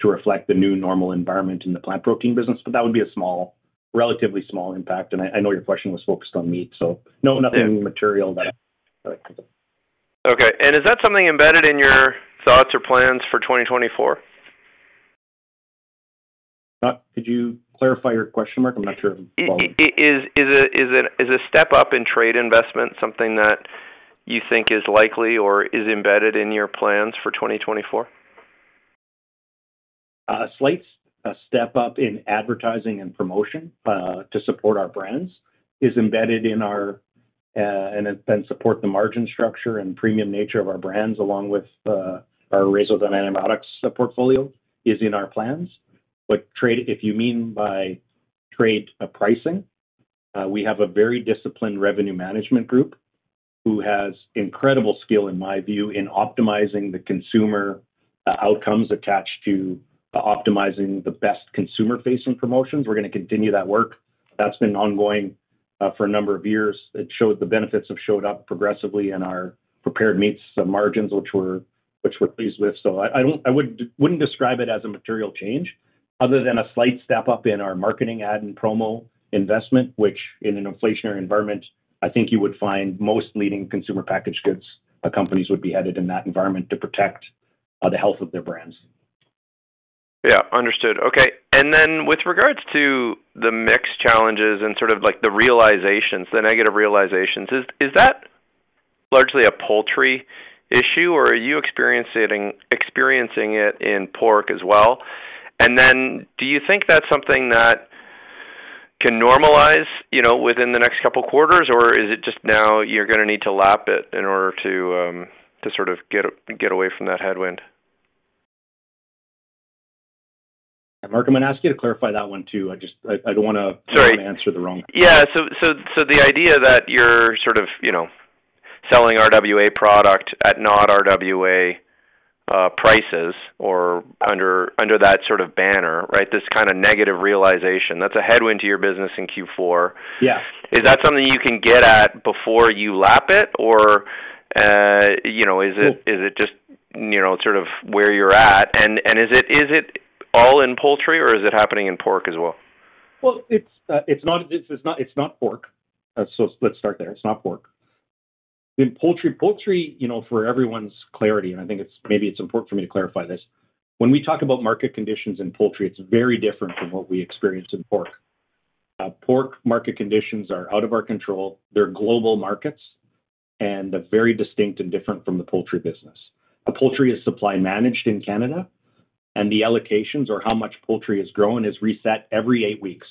to reflect the new normal environment in the plant protein business. But that would be a relatively small impact. And I know your question was focused on meat. So no, nothing material that I think of. Okay. Is that something embedded in your thoughts or plans for 2024? Could you clarify your question, Mark? I'm not sure if I'm following. Is a step up in trade investment something that you think is likely or is embedded in your plans for 2024? Slight step up in advertising and promotion to support our brands is embedded in our plans and then support the margin structure and premium nature of our brands, along with our raised without antibiotics portfolio is in our plans. But if you mean by trade pricing, we have a very disciplined revenue management group who has incredible skill, in my view, in optimizing the consumer outcomes attached to optimizing the best consumer-facing promotions. We're going to continue that work. That's been ongoing for a number of years. It showed the benefits have showed up progressively in our prepared meats margins, which we're pleased with. I wouldn't describe it as a material change other than a slight step up in our marketing ad and promo investment, which, in an inflationary environment, I think you would find most leading consumer packaged goods companies would be headed in that environment to protect the health of their brands. Yeah. Understood. Okay. And then with regards to the mix challenges and sort of the negative realizations, is that largely a poultry issue, or are you experiencing it in pork as well? And then do you think that's something that can normalize within the next couple of quarters, or is it just now you're going to need to lap it in order to sort of get away from that headwind? Mark, I'm going to ask you to clarify that one too. I don't want to answer the wrong. Yeah. So the idea that you're sort of selling RWA product at not RWA prices or under that sort of banner, right, this kind of negative realization, that's a headwind to your business in Q4. Is that something you can get at before you lap it, or is it just sort of where you're at? And is it all in poultry, or is it happening in pork as well? Well, it's not pork. So let's start there. It's not pork. In poultry, for everyone's clarity - and I think maybe it's important for me to clarify this - when we talk about market conditions in poultry, it's very different from what we experience in pork. Pork market conditions are out of our control. They're global markets and very distinct and different from the poultry business. Poultry is supply managed in Canada. And the allocations, or how much poultry is growing, is reset every eight weeks.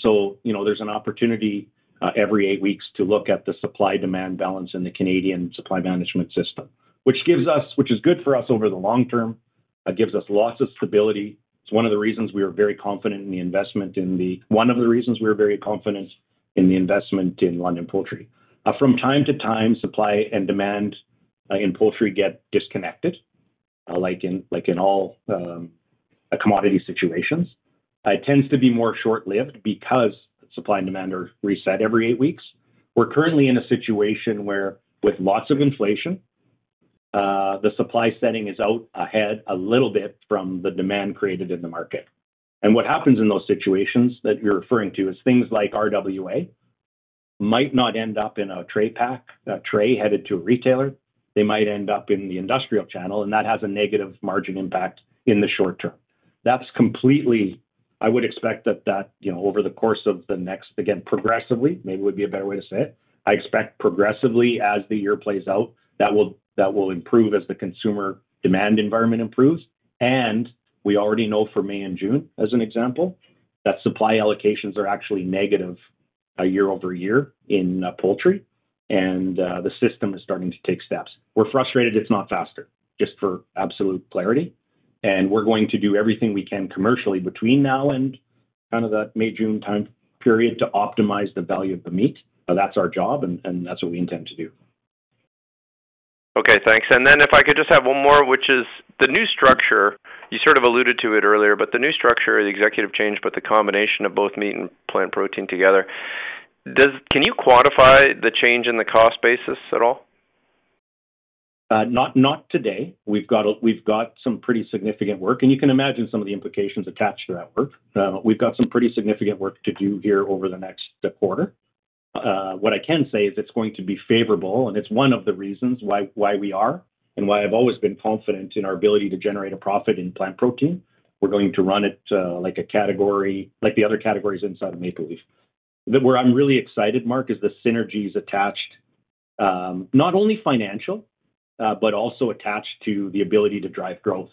So there's an opportunity every eight weeks to look at the supply-demand balance in the Canadian supply management system, which is good for us over the long term. It gives us loss of stability. It's one of the reasons we are very confident in the investment in the one of the reasons we are very confident in the investment in London Poultry. From time to time, supply and demand in poultry get disconnected, like in all commodity situations. It tends to be more short-lived because supply and demand are reset every eight weeks. We're currently in a situation where, with lots of inflation, the supply setting is out ahead a little bit from the demand created in the market. And what happens in those situations that you're referring to is things like RWA might not end up in a tray headed to a retailer. They might end up in the industrial channel. And that has a negative margin impact in the short term. I would expect that over the course of the next again, progressively, maybe would be a better way to say it. I expect progressively, as the year plays out, that will improve as the consumer demand environment improves. We already know for May and June, as an example, that supply allocations are actually negative year-over-year in poultry. The system is starting to take steps. We're frustrated it's not faster, just for absolute clarity. We're going to do everything we can commercially between now and kind of that May, June time period to optimize the value of the meat. That's our job, and that's what we intend to do. Okay. Thanks. And then if I could just have one more, which is the new structure. You sort of alluded to it earlier, but the new structure, the executive change, but the combination of both meat and plant protein together, can you quantify the change in the cost basis at all? Not today. We've got some pretty significant work. You can imagine some of the implications attached to that work. We've got some pretty significant work to do here over the next quarter. What I can say is it's going to be favorable. It's one of the reasons why we are and why I've always been confident in our ability to generate a profit in plant protein. We're going to run it like the other categories inside of Maple Leaf. Where I'm really excited, Mark, is the synergies attached, not only financial but also attached to the ability to drive growth,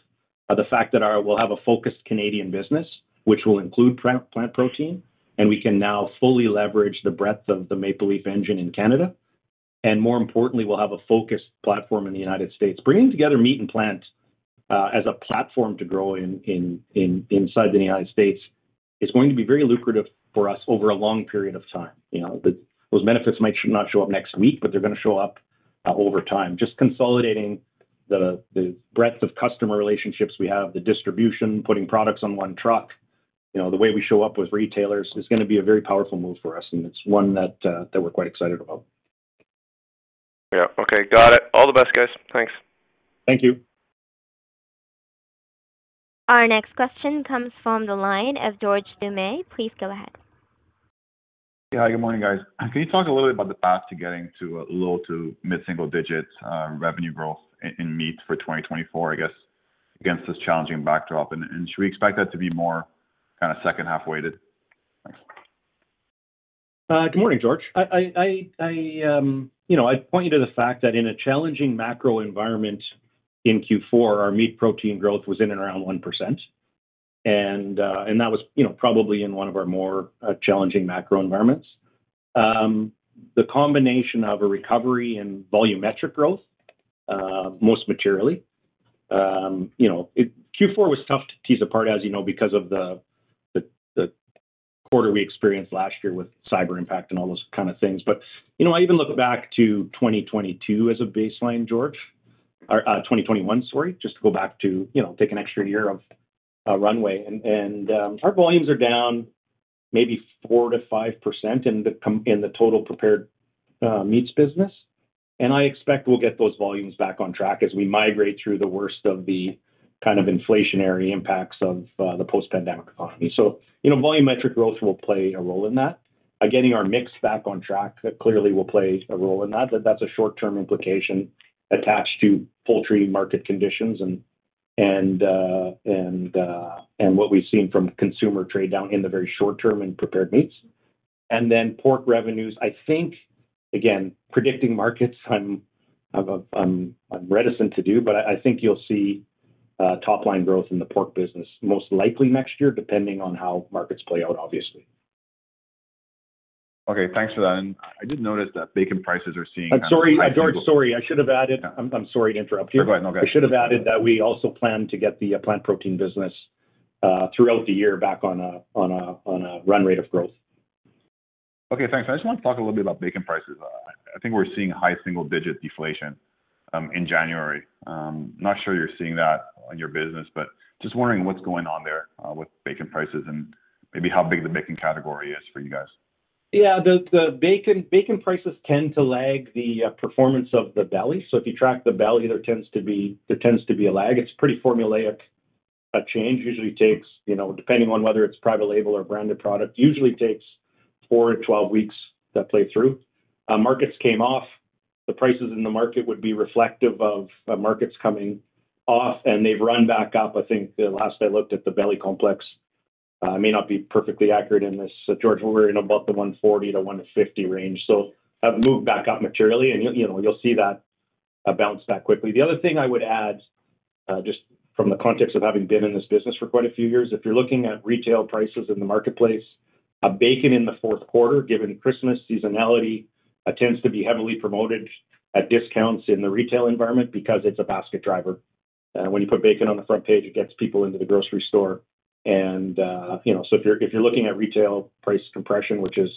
the fact that we'll have a focused Canadian business, which will include plant protein, and we can now fully leverage the breadth of the Maple Leaf engine in Canada. More importantly, we'll have a focused platform in the United States. Bringing together meat and plant as a platform to grow inside the United States is going to be very lucrative for us over a long period of time. Those benefits might not show up next week, but they're going to show up over time, just consolidating the breadth of customer relationships we have, the distribution, putting products on one truck. The way we show up with retailers is going to be a very powerful move for us. It's one that we're quite excited about. Yeah. Okay. Got it. All the best, guys. Thanks. Thank you. Our next question comes from the line of George Dumais. Please go ahead. Hi. Good morning, guys. Can you talk a little bit about the path to getting to a low to mid-single digit revenue growth in meat for 2024, I guess, against this challenging backdrop? And should we expect that to be more kind of second-half weighted? Thanks. Good morning, George. I'd point you to the fact that in a challenging macro environment in Q4, our meat protein growth was in and around 1%. That was probably in one of our more challenging macro environments. The combination of a recovery and volumetric growth, most materially, Q4 was tough to tease apart, as you know, because of the quarter we experienced last year with cyber impact and all those kind of things. But I even look back to 2022 as a baseline, George, 2021, sorry, just to go back to take an extra year of runway. Our volumes are down maybe 4%-5% in the total prepared meats business. I expect we'll get those volumes back on track as we migrate through the worst of the kind of inflationary impacts of the post-pandemic economy. So volumetric growth will play a role in that. Getting our mix back on track clearly will play a role in that. That's a short-term implication attached to poultry market conditions and what we've seen from consumer trade down in the very short term in prepared meats. And then pork revenues, I think again, predicting markets, I'm reticent to do, but I think you'll see top-line growth in the pork business most likely next year, depending on how markets play out, obviously. Okay. Thanks for that. I did notice that bacon prices are seeing kind of. I'm sorry, George. Sorry. I should have added, "I'm sorry to interrupt you. No, go ahead. No, go ahead. I should have added that we also plan to get the plant protein business throughout the year back on a run rate of growth. Okay. Thanks. I just wanted to talk a little bit about bacon prices. I think we're seeing high single-digit deflation in January. Not sure you're seeing that in your business, but just wondering what's going on there with bacon prices and maybe how big the bacon category is for you guys. Yeah. Bacon prices tend to lag the performance of the belly. So if you track the belly, there tends to be a lag. It's a pretty formulaic change. Usually takes, depending on whether it's private label or branded product, usually takes 4-12 weeks to play through. Markets came off. The prices in the market would be reflective of markets coming off. And they've run back up. I think last I looked at the belly complex, I may not be perfectly accurate in this, George, but we're in about the 140-150 range. So have moved back up materially. And you'll see that bounce back quickly. The other thing I would add, just from the context of having been in this business for quite a few years, if you're looking at retail prices in the marketplace, bacon in the fourth quarter, given Christmas seasonality, tends to be heavily promoted at discounts in the retail environment because it's a basket driver. When you put bacon on the front page, it gets people into the grocery store. And so if you're looking at retail price compression, which is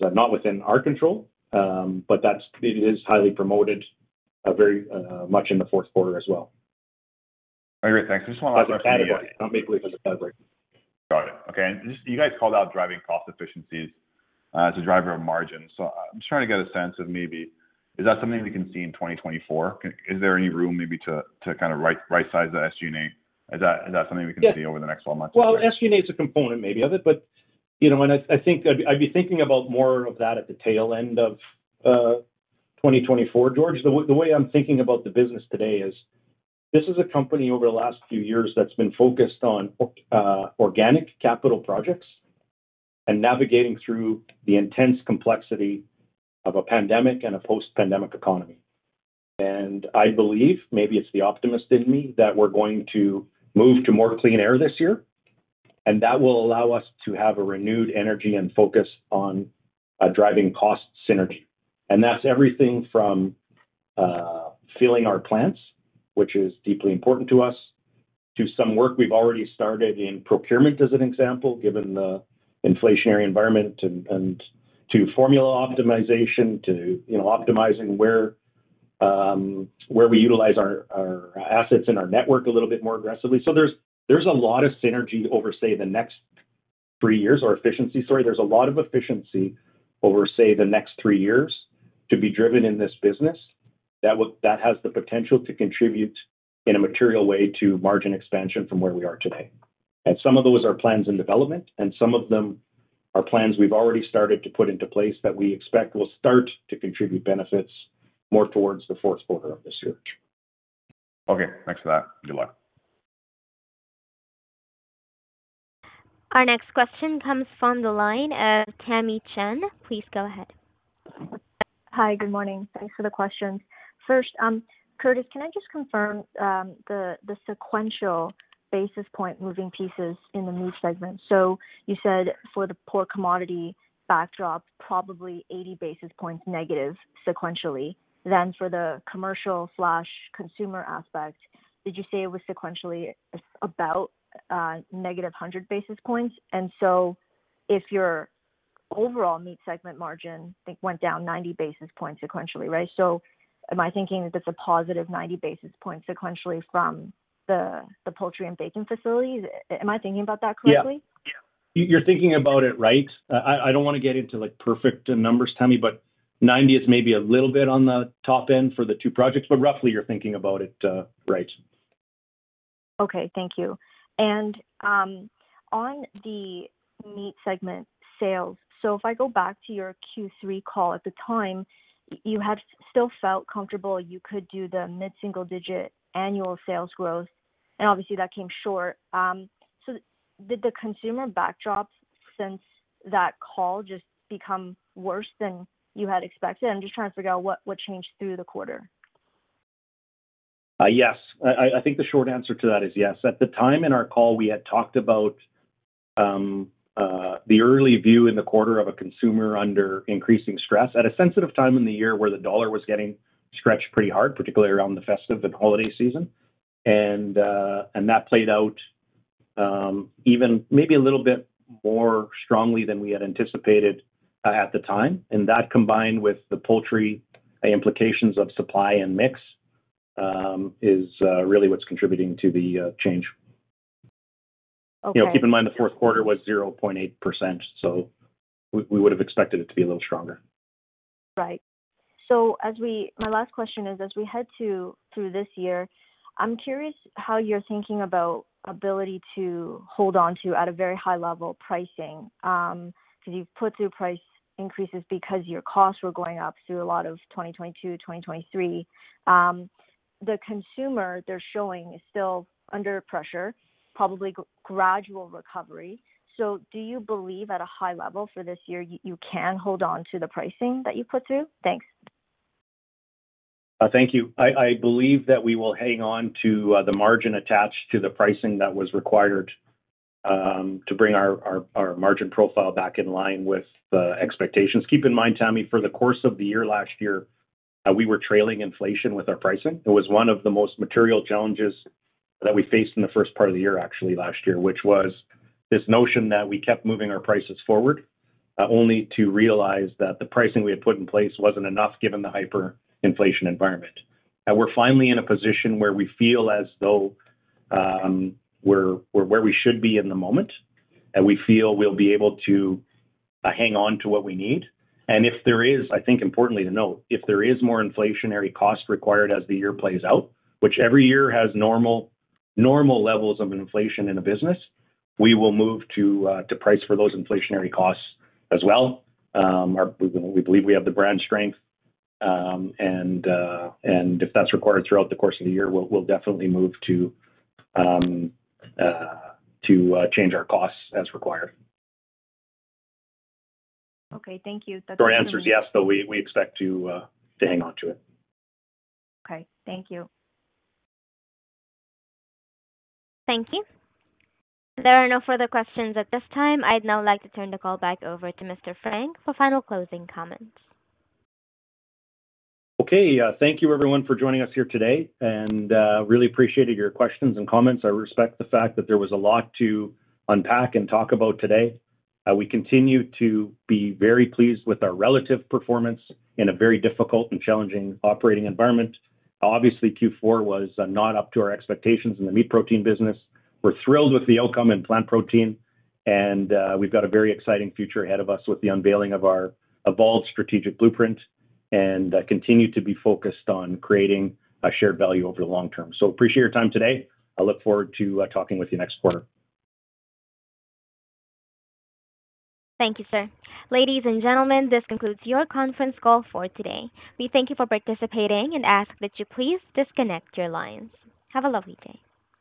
not within our control, but it is highly promoted much in the fourth quarter as well. All right. Great. Thanks. I just want to ask a question about. As a category, not Maple Leaf as a category. Got it. Okay. And you guys called out driving cost efficiencies as a driver of margin. So I'm just trying to get a sense of maybe is that something we can see in 2024? Is there any room maybe to kind of right-size the SG&A? Is that something we can see over the next 12 months? Well, SG&A is a component maybe of it. But I think I'd be thinking about more of that at the tail end of 2024, George. The way I'm thinking about the business today is this is a company over the last few years that's been focused on organic capital projects and navigating through the intense complexity of a pandemic and a post-pandemic economy. I believe, maybe it's the optimist in me, that we're going to move to more clean air this year. That will allow us to have a renewed energy and focus on driving cost synergy. That's everything from filling our plants, which is deeply important to us, to some work we've already started in procurement as an example, given the inflationary environment, and to formula optimization, to optimizing where we utilize our assets in our network a little bit more aggressively. So there's a lot of synergy over, say, the next three years or efficiency, sorry. There's a lot of efficiency over, say, the next three years to be driven in this business that has the potential to contribute in a material way to margin expansion from where we are today. And some of those are plans in development. And some of them are plans we've already started to put into place that we expect will start to contribute benefits more towards the fourth quarter of this year, George. Okay. Thanks for that. Good luck. Our next question comes from the line of Tamy Chen. Please go ahead. Hi. Good morning. Thanks for the questions. First, Curtis, can I just confirm the sequential basis point moving pieces in the meat segment? So you said for the pork commodity backdrop, probably 80 basis points negative sequentially. Then for the commercial/consumer aspect, did you say it was sequentially about negative 100 basis points? And so if your overall meat segment margin went down 90 basis points sequentially, right? So am I thinking that it's a positive 90 basis points sequentially from the poultry and bacon facilities? Am I thinking about that correctly? Yeah. Yeah. You're thinking about it right. I don't want to get into perfect numbers, Tammy, but 90 is maybe a little bit on the top end for the two projects. But roughly, you're thinking about it right. Okay. Thank you. And on the meat segment sales, so if I go back to your Q3 call, at the time, you had still felt comfortable you could do the mid-single digit annual sales growth. And obviously, that came short. So did the consumer backdrop since that call just become worse than you had expected? I'm just trying to figure out what changed through the quarter. Yes. I think the short answer to that is yes. At the time in our call, we had talked about the early view in the quarter of a consumer under increasing stress at a sensitive time in the year where the dollar was getting stretched pretty hard, particularly around the festive and holiday season. And that played out maybe a little bit more strongly than we had anticipated at the time. And that combined with the poultry implications of supply and mix is really what's contributing to the change. Keep in mind the fourth quarter was 0.8%. So we would have expected it to be a little stronger. Right. So my last question is, as we head through this year, I'm curious how you're thinking about ability to hold onto, at a very high level, pricing because you've put through price increases because your costs were going up through a lot of 2022, 2023. The consumer, they're showing, is still under pressure, probably gradual recovery. So do you believe, at a high level for this year, you can hold onto the pricing that you put through? Thanks. Thank you. I believe that we will hang onto the margin attached to the pricing that was required to bring our margin profile back in line with expectations. Keep in mind, Tammy, for the course of the year last year, we were trailing inflation with our pricing. It was one of the most material challenges that we faced in the first part of the year, actually, last year, which was this notion that we kept moving our prices forward only to realize that the pricing we had put in place wasn't enough given the hyperinflation environment. We're finally in a position where we feel as though we're where we should be in the moment. We feel we'll be able to hang onto what we need. If there is, I think importantly to note, if there is more inflationary cost required as the year plays out, which every year has normal levels of inflation in a business, we will move to price for those inflationary costs as well. We believe we have the brand strength. If that's required throughout the course of the year, we'll definitely move to change our costs as required. Okay. Thank you. That's good. Your answer's yes, though. We expect to hang onto it. Okay. Thank you. Thank you. There are no further questions at this time. I'd now like to turn the call back over to Mr. Frank for final closing comments. Okay. Thank you, everyone, for joining us here today. Really appreciated your questions and comments. I respect the fact that there was a lot to unpack and talk about today. We continue to be very pleased with our relative performance in a very difficult and challenging operating environment. Obviously, Q4 was not up to our expectations in the meat protein business. We're thrilled with the outcome in plant protein. We've got a very exciting future ahead of us with the unveiling of our evolved strategic blueprint and continue to be focused on creating a shared value over the long term. Appreciate your time today. I look forward to talking with you next quarter. Thank you, sir. Ladies and gentlemen, this concludes your conference call for today. We thank you for participating and ask that you please disconnect your lines. Have a lovely day.